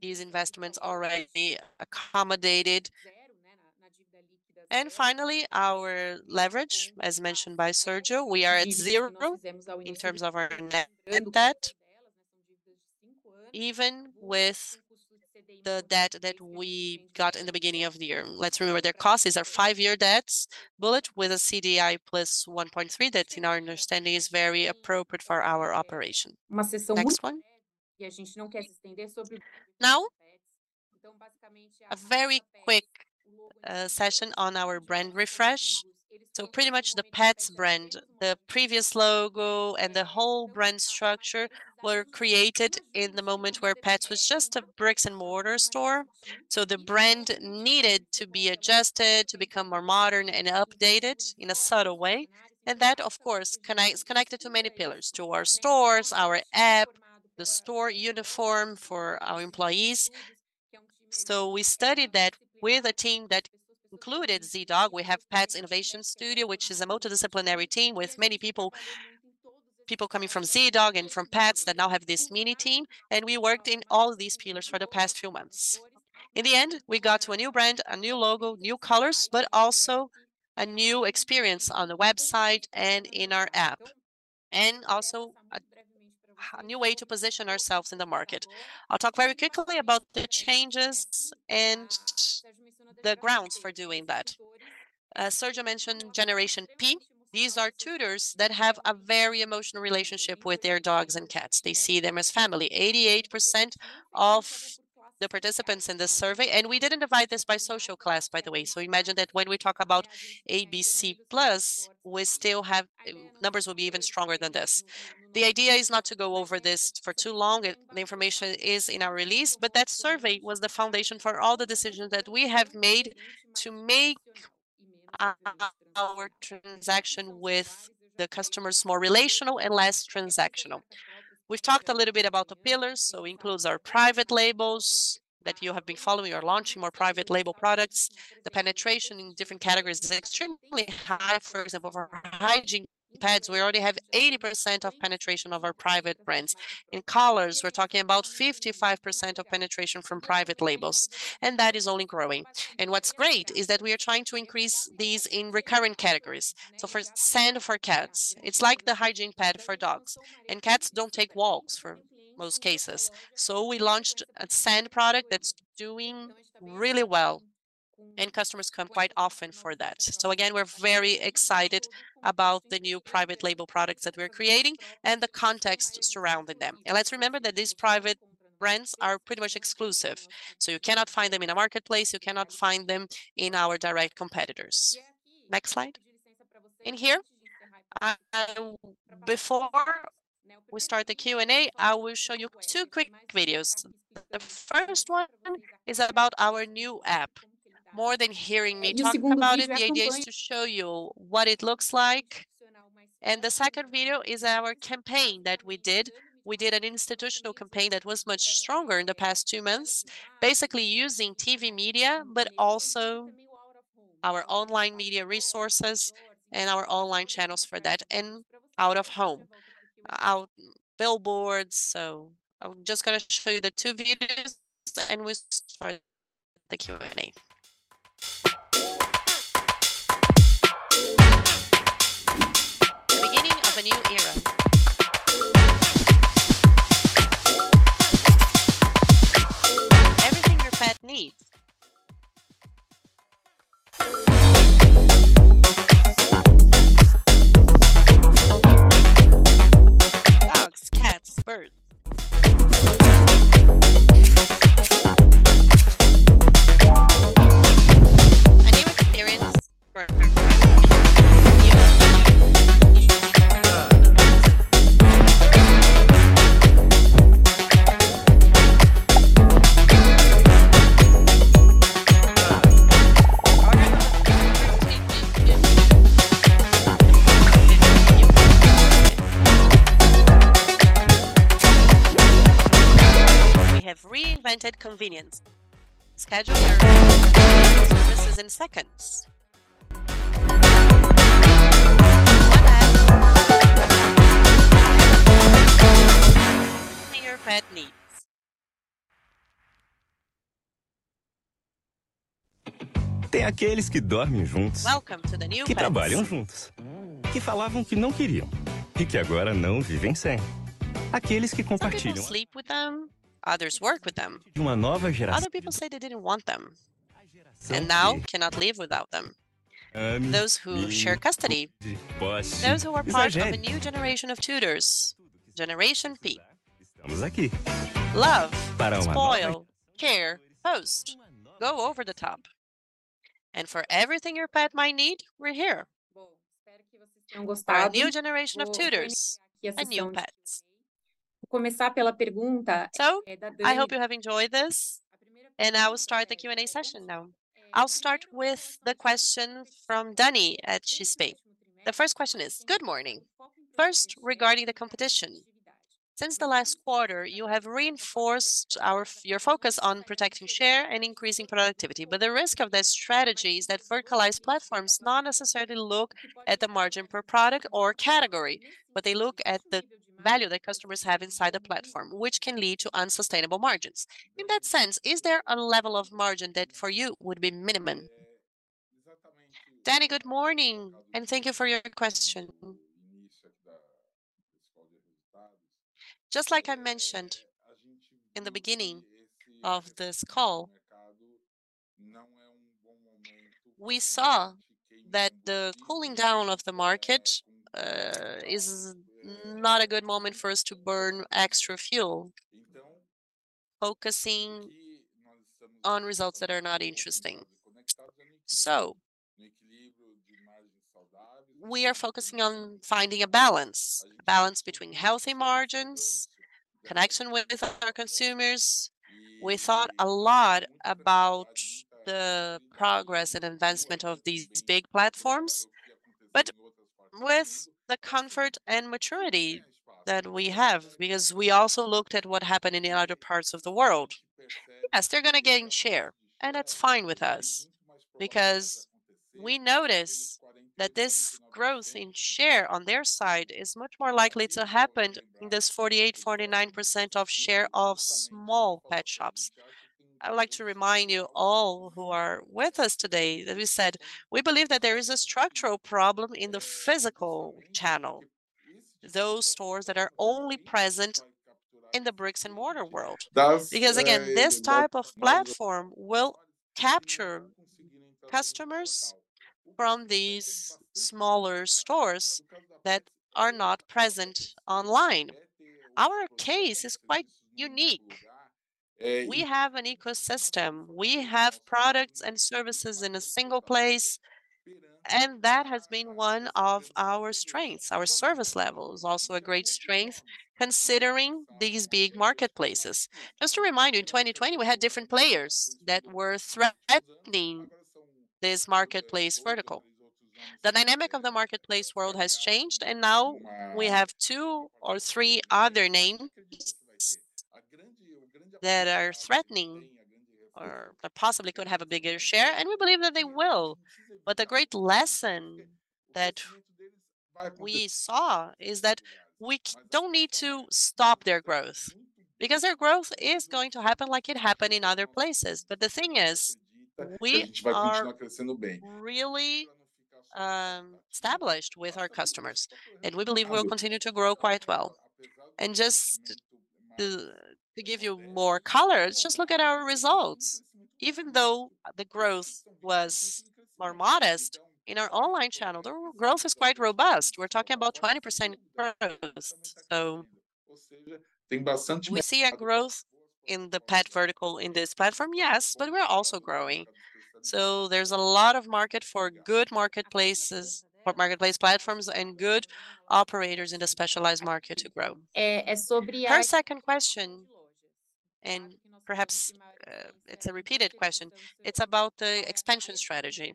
these investments already accommodated. Finally, our leverage, as mentioned by Sergio, we are at zero in terms of our net debt, even with the debt that we got in the beginning of the year. Let's remember, their costs is our five-year debts bullet with a CDI plus 1.3. That, in our understanding, is very appropriate for our operation. Next one. Now, a very quick session on our brand refresh. Pretty much the Petz brand, the previous logo and the whole brand structure were created in the moment where Petz was just a brick-and-mortar store. The brand needed to be adjusted to become more modern and updated in a subtle way. That, of course, is connected to many pillars, to our stores, our app, the store uniform for our employees. We studied that with a team that included Zee.Dog. We have Petz Innovation Studio, which is a multidisciplinary team with many people, people coming from Zee.Dog and from Petz that now have this mini team, and we worked in all of these pillars for the past few months. In the end, we got to a new brand, a new logo, new colors, but also a new experience on the website and in our app, and also a new way to position ourselves in the market. I'll talk very quickly about the changes and the grounds for doing that. Sergio mentioned Generation P. These are tutors that have a very emotional relationship with their dogs and cats. They see them as family. 88% of the participants in this survey and we didn't divide this by social class, by the way, so imagine that when we talk about ABC Plus, we still have, numbers will be even stronger than this. The idea is not to go over this for too long. The information is in our release, but that survey was the foundation for all the decisions that we have made to make, our transaction with the customers more relational and less transactional. We've talked a little bit about the pillars, so includes our private labels that you have been following. We are launching more private label products. The penetration in different categories is extremely high. For example, for our hygiene pads, we already have 80% of penetration of our private brands. In collars, we're talking about 55% of penetration from private labels, and that is only growing. What's great is that we are trying to increase these in recurrent categories. So for sand for cats, it's like the hygiene pad for dogs, and cats don't take walks for most cases. So we launched a sand product that's doing really well... and customers come quite often for that. So again, we're very excited about the new private label products that we're creating and the context surrounding them. And let's remember that these private brands are pretty much exclusive, so you cannot find them in a marketplace, you cannot find them in our direct competitors. Next slide. In here, before we start the Q&A, I will show you two quick videos. The first one is about our new app. More than hearing me talk about it, the idea is to show you what it looks like. And the second video is our campaign that we did. We did an institutional campaign that was much stronger in the past two months, basically using TV media, but also our online media resources and our online channels for that, and out of home, out billboards. So I'm just gonna show you the two videos, and we'll start the Q&A. The beginning of a new era. Everything your pet needs. Dogs, cats, birds. A new experience for... We have reinvented convenience. Schedule services in seconds. Everything your pet needs. Welcome to the new pets. Some people sleep with them, others work with them. Other people say they didn't want them, and now cannot live without them. Those who share custody, those who are part of a new generation of tutors, Generation P. Love, spoil, care, post, go over the top. For everything your pet might need, we're here. For our new generation of tutors and new pets. So I hope you have enjoyed this, and I will start the Q&A session now. I'll start with the question from Danny at Chispa. The first question is: Good morning. First, regarding the competition. Since the last quarter, you have reinforced your focus on protecting share and increasing productivity. But the risk of this strategy is that verticalized platforms not necessarily look at the margin per product or category, but they look at the value that customers have inside the platform, which can lead to unsustainable margins. In that sense, is there a level of margin that for you would be minimum? Danny, good morning, and thank you for your question. Just like I mentioned in the beginning of this call, we saw that the cooling down of the market is not a good moment for us to burn extra fuel, focusing on results that are not interesting. So we are focusing on finding a balance, a balance between healthy margins, connection with our consumers. We thought a lot about the progress and advancement of these big platforms, but with the comfort and maturity that we have, because we also looked at what happened in the other parts of the world. Yes, they're gonna gain share, and that's fine with us, because we notice that this growth in share on their side is much more likely to happen in this 48%-49% of share of small pet shops. I would like to remind you all who are with us today that we said we believe that there is a structural problem in the physical channel, those stores that are only present in the bricks-and-mortar world. Because, again, this type of platform will capture customers from these smaller stores that are not present online. Our case is quite unique. We have an ecosystem, we have products and services in a single place, and that has been one of our strengths. Our service level is also a great strength, considering these big marketplaces. Just a reminder, in 2020, we had different players that were threatening this marketplace vertical. The dynamic of the marketplace world has changed, and now we have two or three other names that are threatening or that possibly could have a bigger share, and we believe that they will. But the great lesson that we saw is that we don't need to stop their growth, because their growth is going to happen like it happened in other places. But the thing is, we are really established with our customers, and we believe we'll continue to grow quite well. And just to give you more color, just look at our results. Even though the growth was more modest in our online channel, the growth is quite robust. We're talking about 20% growth. So we see a growth in the pet vertical in this platform, yes, but we're also growing. So there's a lot of market for good marketplaces, for marketplace platforms, and good operators in the specialized market to grow. Her second question, and perhaps, it's a repeated question, it's about the expansion strategy.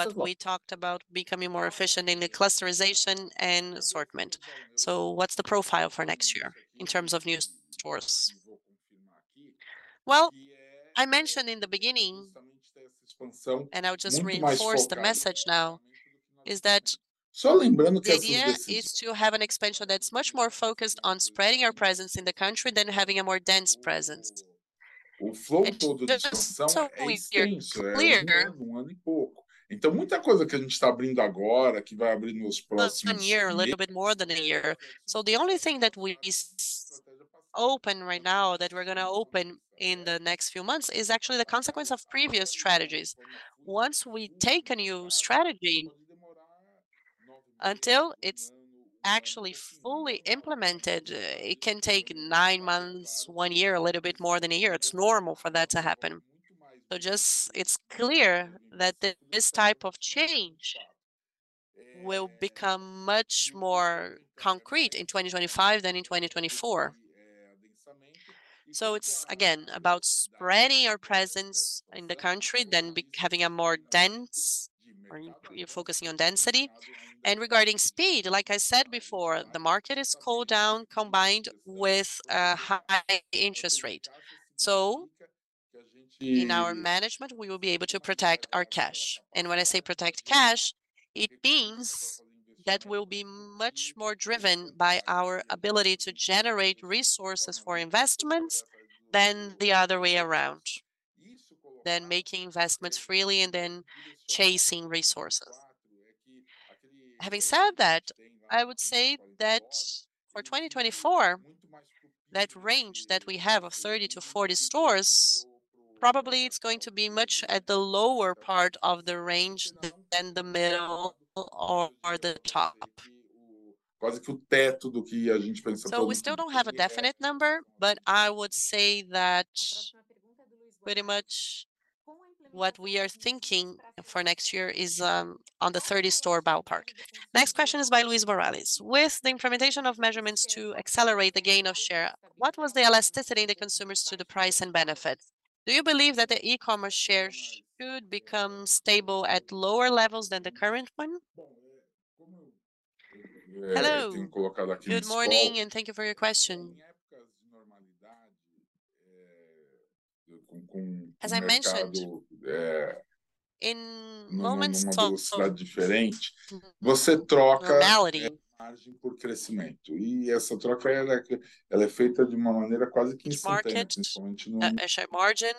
What we talked about becoming more efficient in the clusterization and assortment. So what's the profile for next year in terms of new stores? Well, I mentioned in the beginning, and I'll just reinforce the message now, is that the idea is to have an expansion that's much more focused on spreading our presence in the country than having a more dense presence. And just so it's clear- Less than a year, a little bit more than a year. So the only thing that we open right now, that we're gonna open in the next few months, is actually the consequence of previous strategies. Once we take a new strategy, until it's actually fully implemented, it can take nine months, one year, a little bit more than a year. It's normal for that to happen. So just it's clear that this type of change will become much more concrete in 2025 than in 2024. So it's, again, about spreading our presence in the country than having a more dense, or focusing on density. And regarding speed, like I said before, the market is cooled down, combined with a high interest rate. So in our management, we will be able to protect our cash. When I say protect cash, it means that we'll be much more driven by our ability to generate resources for investments than the other way around, than making investments freely and then chasing resources. Having said that, I would say that for 2024, that range that we have of 30-40 stores, probably it's going to be much at the lower part of the range than the middle or the top. We still don't have a definite number, but I would say that pretty much what we are thinking for next year is, on the 30 store ballpark. Next question is by Luis Morales: With the implementation of measurements to accelerate the gain of share, what was the elasticity of the consumers to the price and benefits? Do you believe that the e-commerce share should become stable at lower levels than the current one? Hello, good morning, and thank you for your question. As I mentioned, in moments of normality market, margin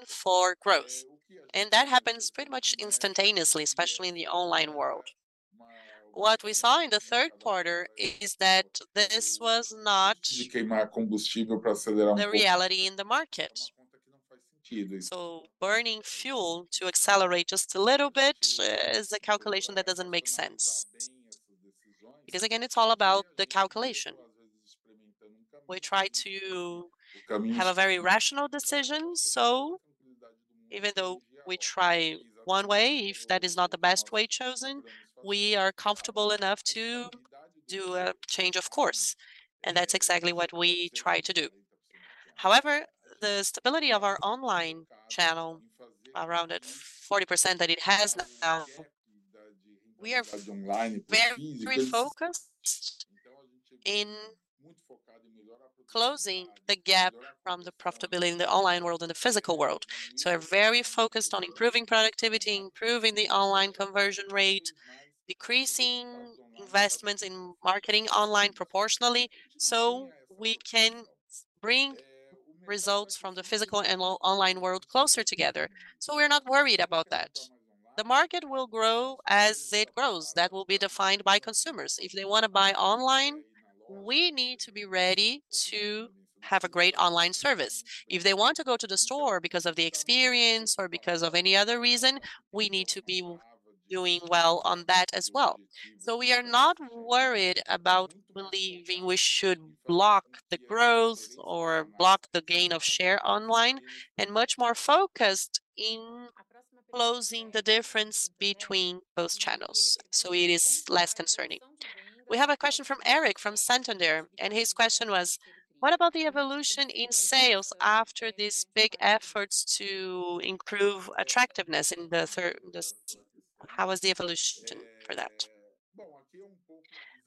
for growth, and that happens pretty much instantaneously, especially in the online world. What we saw in the third quarter is that this was not the reality in the market. So burning fuel to accelerate just a little bit is a calculation that doesn't make sense. Because again, it's all about the calculation. We try to have a very rational decision, so even though we try one way, if that is not the best way chosen, we are comfortable enough to do a change of course, and that's exactly what we try to do. However, the stability of our online channel around 40% that it has now, we are very focused in closing the gap from the profitability in the online world and the physical world. So we're very focused on improving productivity, improving the online conversion rate, decreasing investments in marketing online proportionally, so we can bring results from the physical and online world closer together. So we're not worried about that. The market will grow as it grows. That will be defined by consumers. If they wanna buy online, we need to be ready to have a great online service. If they want to go to the store because of the experience or because of any other reason, we need to be doing well on that as well. So we are not worried about believing we should block the growth or block the gain of share online, and much more focused in closing the difference between both channels, so it is less concerning. We have a question from Eric, from Santander, and his question was: What about the evolution in sales after these big efforts to improve attractiveness in the third... Just how was the evolution for that?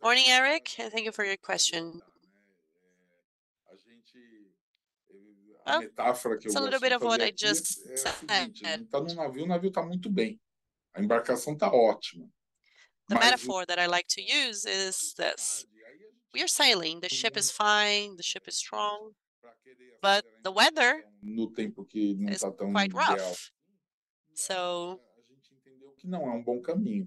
Morning, Eric, thank you for your question. Oh, so a little bit of what I just said. Yeah. The metaphor that I like to use is this: we are sailing, the ship is fine, the ship is strong, but the weather is quite rough. So we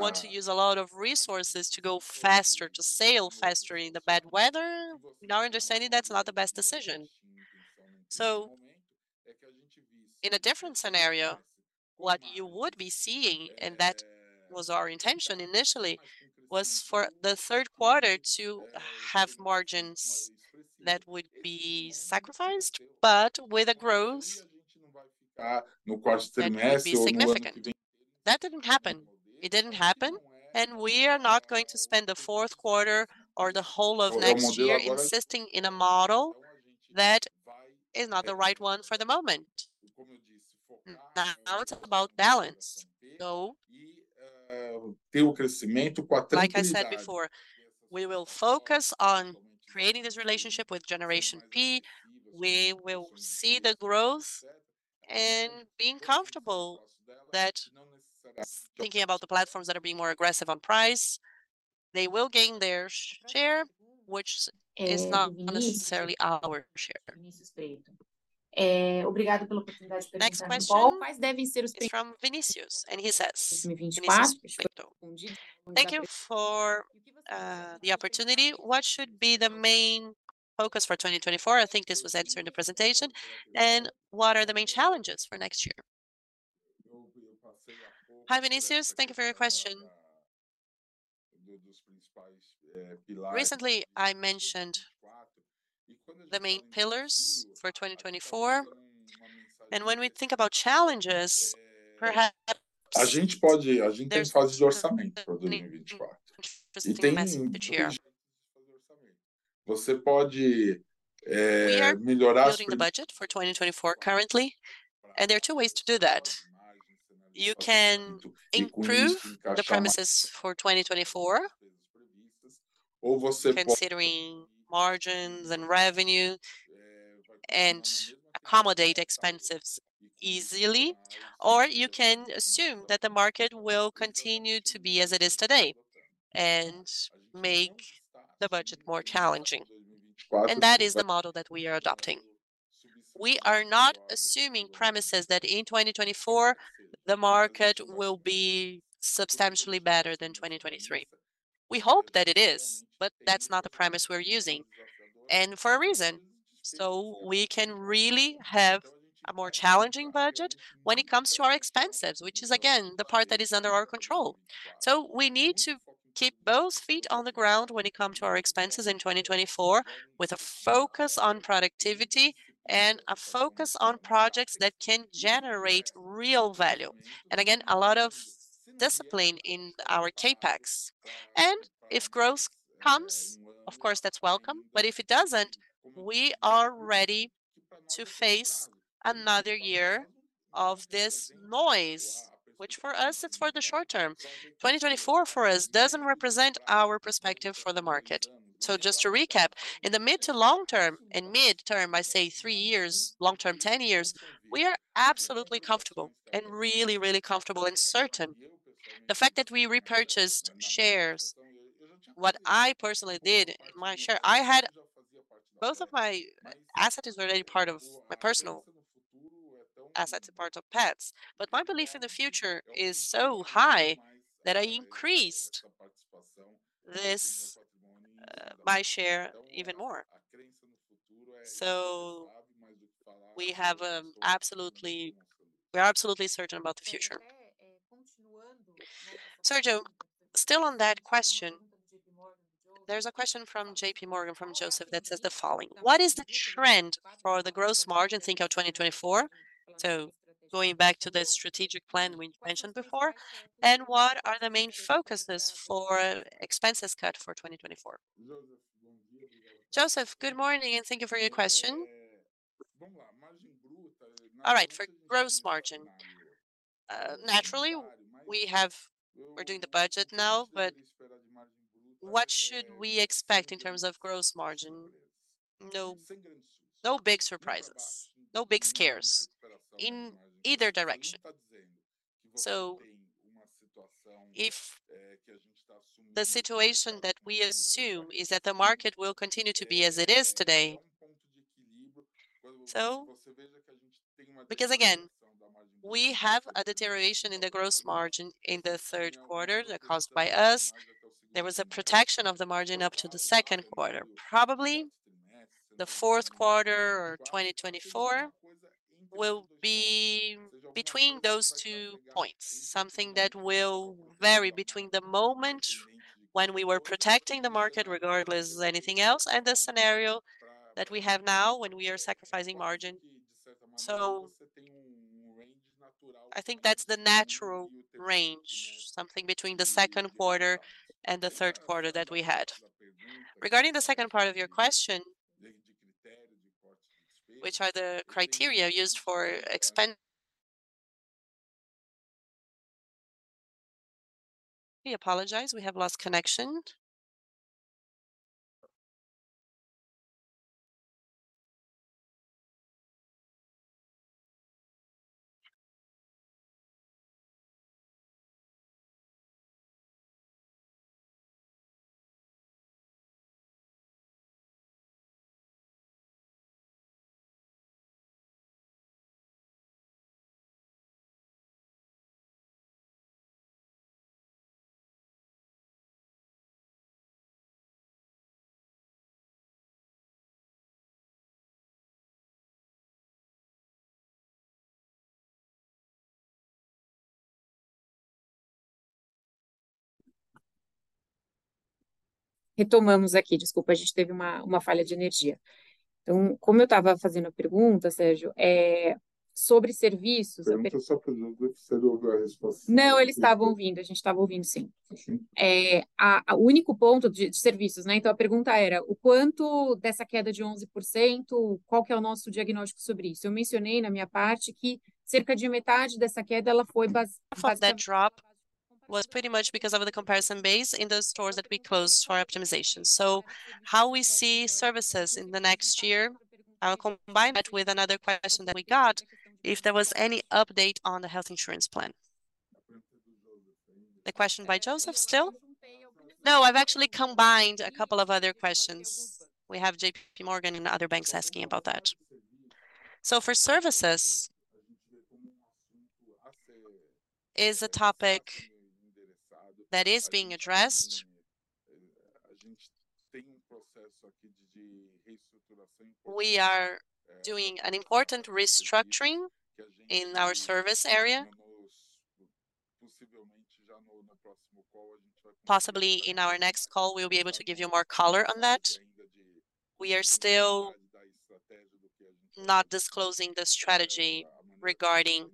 want to use a lot of resources to go faster, to sail faster in the bad weather. In our understanding, that's not the best decision. So in a different scenario, what you would be seeing, and that was our intention initially, was for the third quarter to have margins that would be sacrificed, but with a growth that would be significant. That didn't happen. It didn't happen, and we are not going to spend the fourth quarter or the whole of next year insisting in a model that is not the right one for the moment. Now, it's about balance. So, like I said before, we will focus on creating this relationship with Generation P. We will see the growth and being comfortable that thinking about the platforms that are being more aggressive on price, they will gain their share, which is not necessarily our share. Next question is from Vinicius, and he says, Vinicius Peito: "Thank you for the opportunity. What should be the main focus for 2024?" I think this was answered in the presentation. "And what are the main challenges for next year?" Hi, Vinicius, thank you for your question. Recently, I mentioned the main pillars for 2024, and when we think about challenges, perhaps there's... Listening to the message of the year. We are building the budget for 2024 currently, and there are two ways to do that. You can improve the premises for 2024, considering margins and revenue, and accommodate expenses easily, or you can assume that the market will continue to be as it is today and make the budget more challenging. And that is the model that we are adopting. We are not assuming premises that in 2024 the market will be substantially better than 2023. We hope that it is, but that's not the premise we're using, and for a reason. So we can really have a more challenging budget when it comes to our expenses, which is, again, the part that is under our control. So we need to keep both feet on the ground when it come to our expenses in 2024, with a focus on productivity and a focus on projects that can generate real value. And again, a lot of discipline in our CapEx. And if growth comes, of course, that's welcome. But if it doesn't, we are ready to face another year of this noise, which for us, it's for the short term. 2024 for us doesn't represent our perspective for the market. So just to recap, in the mid- to long-term, and mid-term, I say 3 years, long-term, 10 years, we are absolutely comfortable, and really, really comfortable and certain. The fact that we repurchased shares, what I personally did, my share, I had... Both of my assets were already part of my personal assets and part of Petz. But my belief in the future is so high that I increased this, my share even more. So we have, absolutely—we are absolutely certain about the future. Sergio, still on that question, there's a question from JPMorgan, from Joseph, that says the following: "What is the trend for the gross margin think of 2024?" So going back to the strategic plan we mentioned before. "And what are the main focuses for expenses cut for 2024? Joseph, good morning, and thank you for your question. All right, for gross margin, naturally, we have we're doing the budget now, but what should we expect in terms of gross margin? No, no big surprises, no big scares in either direction. So if the situation that we assume is that the market will continue to be as it is today, so. Because again, we have a deterioration in the gross margin in the third quarter that caused by us. There was a protection of the margin up to the second quarter. Probably, the fourth quarter or 2024 will be between those two points, something that will vary between the moment when we were protecting the market, regardless of anything else, and the scenario that we have now, when we are sacrificing margin. So I think that's the natural range, something between the second quarter and the third quarter that we had. Regarding the second part of your question, which are the criteria used for expend... We apologize, we have lost connection. ... Retomamos aqui. Desculpa, a gente teve uma falha de energia. Então, como eu tava fazendo a pergunta, Sérgio, sobre serviços, a per- Perguntou essa pergunta, você ouviu a resposta? Não, eles tavam ouvindo. A gente tava ouvindo, sim. Sim? o único ponto de serviços, né? Então a pergunta era: o quanto dessa queda de 11%, qual que é o nosso diagnóstico sobre isso? Eu mencionei na minha parte que cerca de metade dessa queda, ela foi base- That drop was pretty much because of the comparison base in those stores that we closed for optimization. So, how we see services in the next year, I will combine that with another question that we got, if there was any update on the health insurance plan. A pergunta do Joseph. The question by Joseph still? No, I've actually combined a couple of other questions. We have JP Morgan and other banks asking about that. So for services-- A gente vê como o assunto- Is a topic that is being addressed. A gente tem um processo aqui de reestruturação- We are doing an important restructuring in our service area.... Possivelmente, já na próxima call, a gente vai- Possibly in our next call, we'll be able to give you more color on that. We are still not disclosing the strategy regarding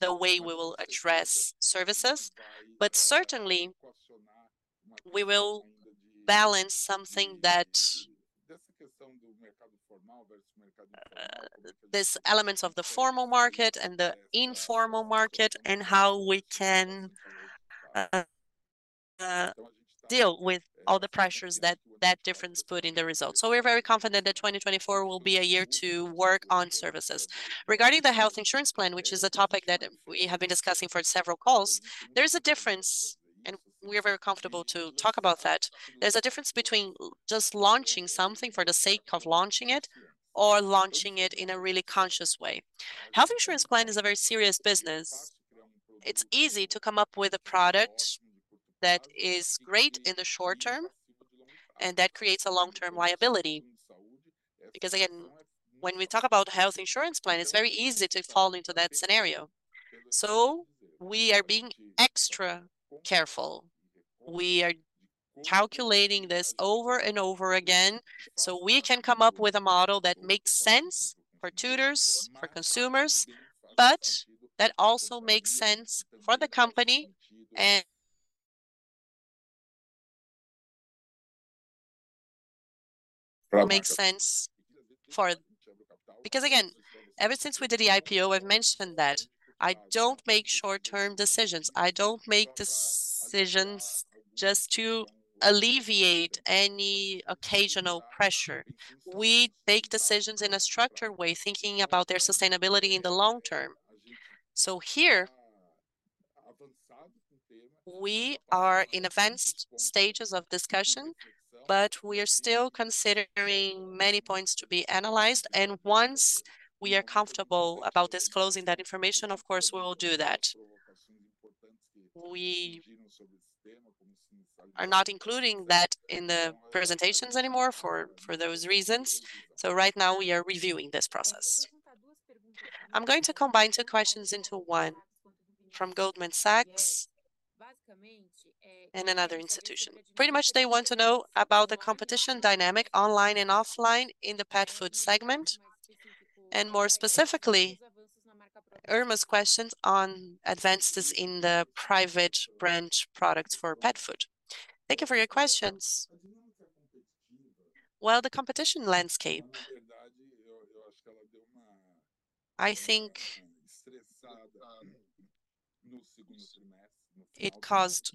the way we will address services, but certainly, we will balance something that... Essa questão do mercado formal versus mercado- These elements of the formal market and the informal market, and how we can deal with all the pressures that that difference put in the results. So we're very confident that 2024 will be a year to work on services. Regarding the health insurance plan, which is a topic that we have been discussing for several calls, there's a difference, and we are very comfortable to talk about that. There's a difference between just launching something for the sake of launching it or launching it in a really conscious way. Health insurance plan is a very serious business. It's easy to come up with a product that is great in the short term, and that creates a long-term viability. Because, again, when we talk about health insurance plan, it's very easy to fall into that scenario. So we are being extra careful. We are calculating this over and over again, so we can come up with a model that makes sense for tutors, for consumers, but that also makes sense for the company and... It makes sense for-- Because, again, ever since we did the IPO, I've mentioned that I don't make short-term decisions. I don't make decisions just to alleviate any occasional pressure. We make decisions in a structured way, thinking about their sustainability in the long term. So here- avançado-... We are in advanced stages of discussion, but we are still considering many points to be analyzed, and once we are comfortable about disclosing that information, of course, we will do that. importância. We are not including that in the presentations anymore for those reasons. So right now, we are reviewing this process. As duas perguntas- I'm going to combine two questions into one. From Goldman Sachs- Basicamente, é- ... and another institution. Pretty much, they want to know about the competition dynamic, online and offline, in the pet food segment, and more specifically, Irma's questions on advances in the private label products for pet food. Thank you for your questions. Competitiva. Well, the competition landscape- Eu acho que ela deu uma-... I think- Estressada no segundo trimestre. It caused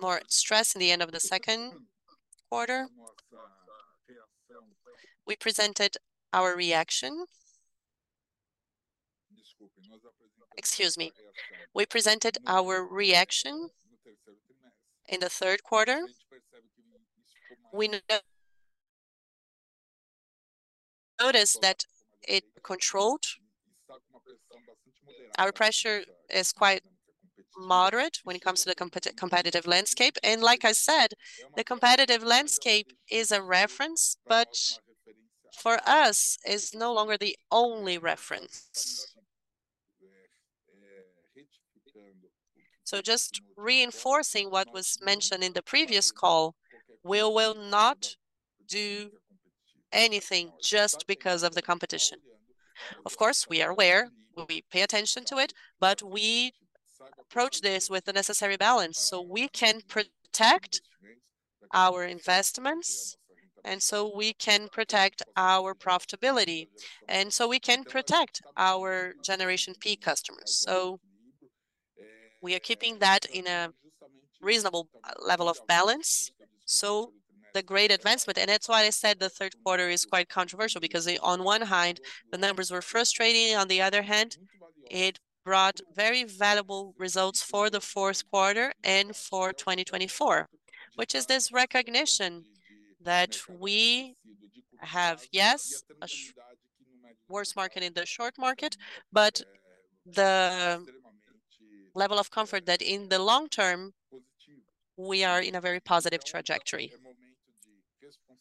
more stress in the end of the second quarter. Reação. We presented our reaction. Desculpe, nós apresent- Excuse me. We presented our reaction- No terceiro trimestre... in the third quarter. We noticed that it controlled. Essa pressão- Our pressure is quite moderate when it comes to the competitive landscape, and like I said, the competitive landscape is a reference, but for us, is no longer the only reference. É, reit- So just reinforcing what was mentioned in the previous call, we will not do anything just because of the competition. Of course, we are aware. We, we pay attention to it, but we approach this with the necessary balance, so we can protect our investments, and so we can protect our profitability, and so we can protect our Generation P customers. We are keeping that in a reasonable level of balance. So the great advancement, and that's why I said the third quarter is quite controversial, because on one hand, the numbers were frustrating, on the other hand, it brought very valuable results for the fourth quarter and for 2024, which is this recognition that we have, yes, a worse market in the short market, but the level of comfort that in the long term, we are in a very positive trajectory.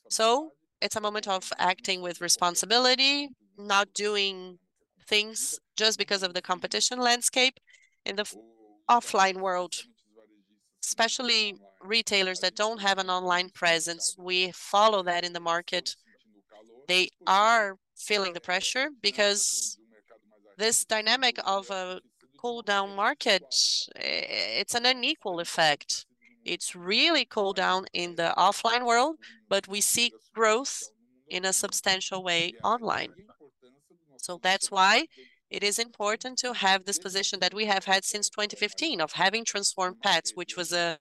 So it's a moment of acting with responsibility, not doing things just because of the competition landscape in the offline world, especially retailers that don't have an online presence. We follow that in the market. They are feeling the pressure because this dynamic of a cool down market, it's an unequal effect. It's really cool down in the offline world, but we see growth in a substantial way online. So that's why it is important to have this position that we have had since 2015 of having transformed Petz, which was an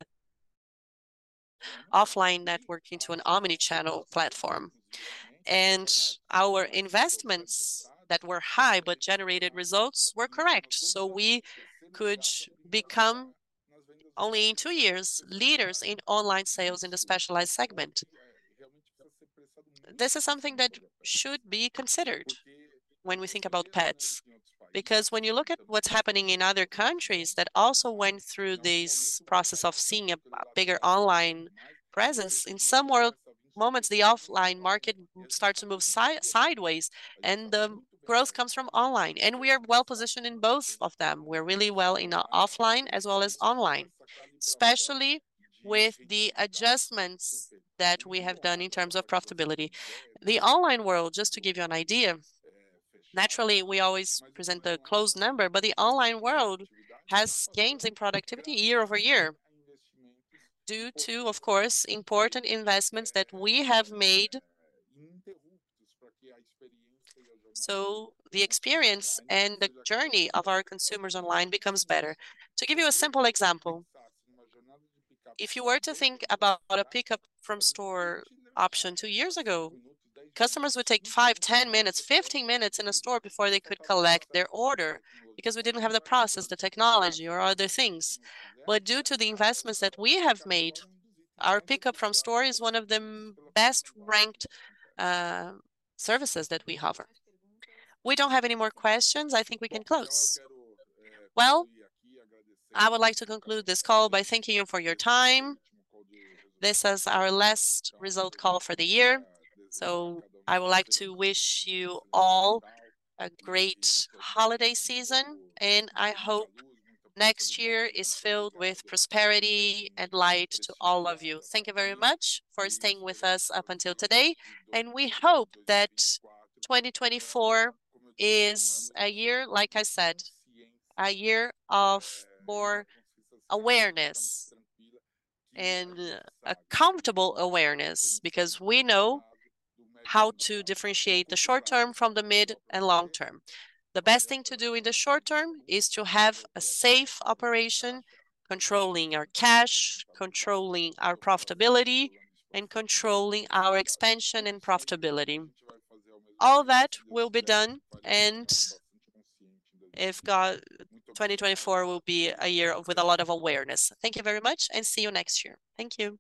offline network, into an omni-channel platform. And our investments that were high but generated results were correct, so we could become, only in two years, leaders in online sales in the specialized segment. This is something that should be considered when we think about pets, because when you look at what's happening in other countries that also went through this process of seeing a bigger online presence, in some world moments, the offline market starts to move sideways, and the growth comes from online, and we are well positioned in both of them. We're really well in our offline as well as online, especially with the adjustments that we have done in terms of profitability. The online world, just to give you an idea, naturally, we always present the closed number, but the online world has gains in productivity year-over-year, due to, of course, important investments that we have made so the experience and the journey of our consumers online becomes better. To give you a simple example, if you were to think about a pickup from store option 2 years ago, customers would take 5, 10 minutes, 15 minutes in a store before they could collect their order because we didn't have the process, the technology, or other things. But due to the investments that we have made, our pickup from store is one of the best ranked services that we offer. We don't have any more questions. I think we can close. Well, I would like to conclude this call by thanking you for your time. This is our last result call for the year, so I would like to wish you all a great holiday season, and I hope next year is filled with prosperity and light to all of you. Thank you very much for staying with us up until today, and we hope that 2024 is a year, like I said, a year of more awareness and a comfortable awareness, because we know how to differentiate the short term from the mid and long term. The best thing to do in the short term is to have a safe operation, controlling our cash, controlling our profitability, and controlling our expansion and profitability. All that will be done, and if God... 2024 will be a year with a lot of awareness. Thank you very much, and see you next year. Thank you.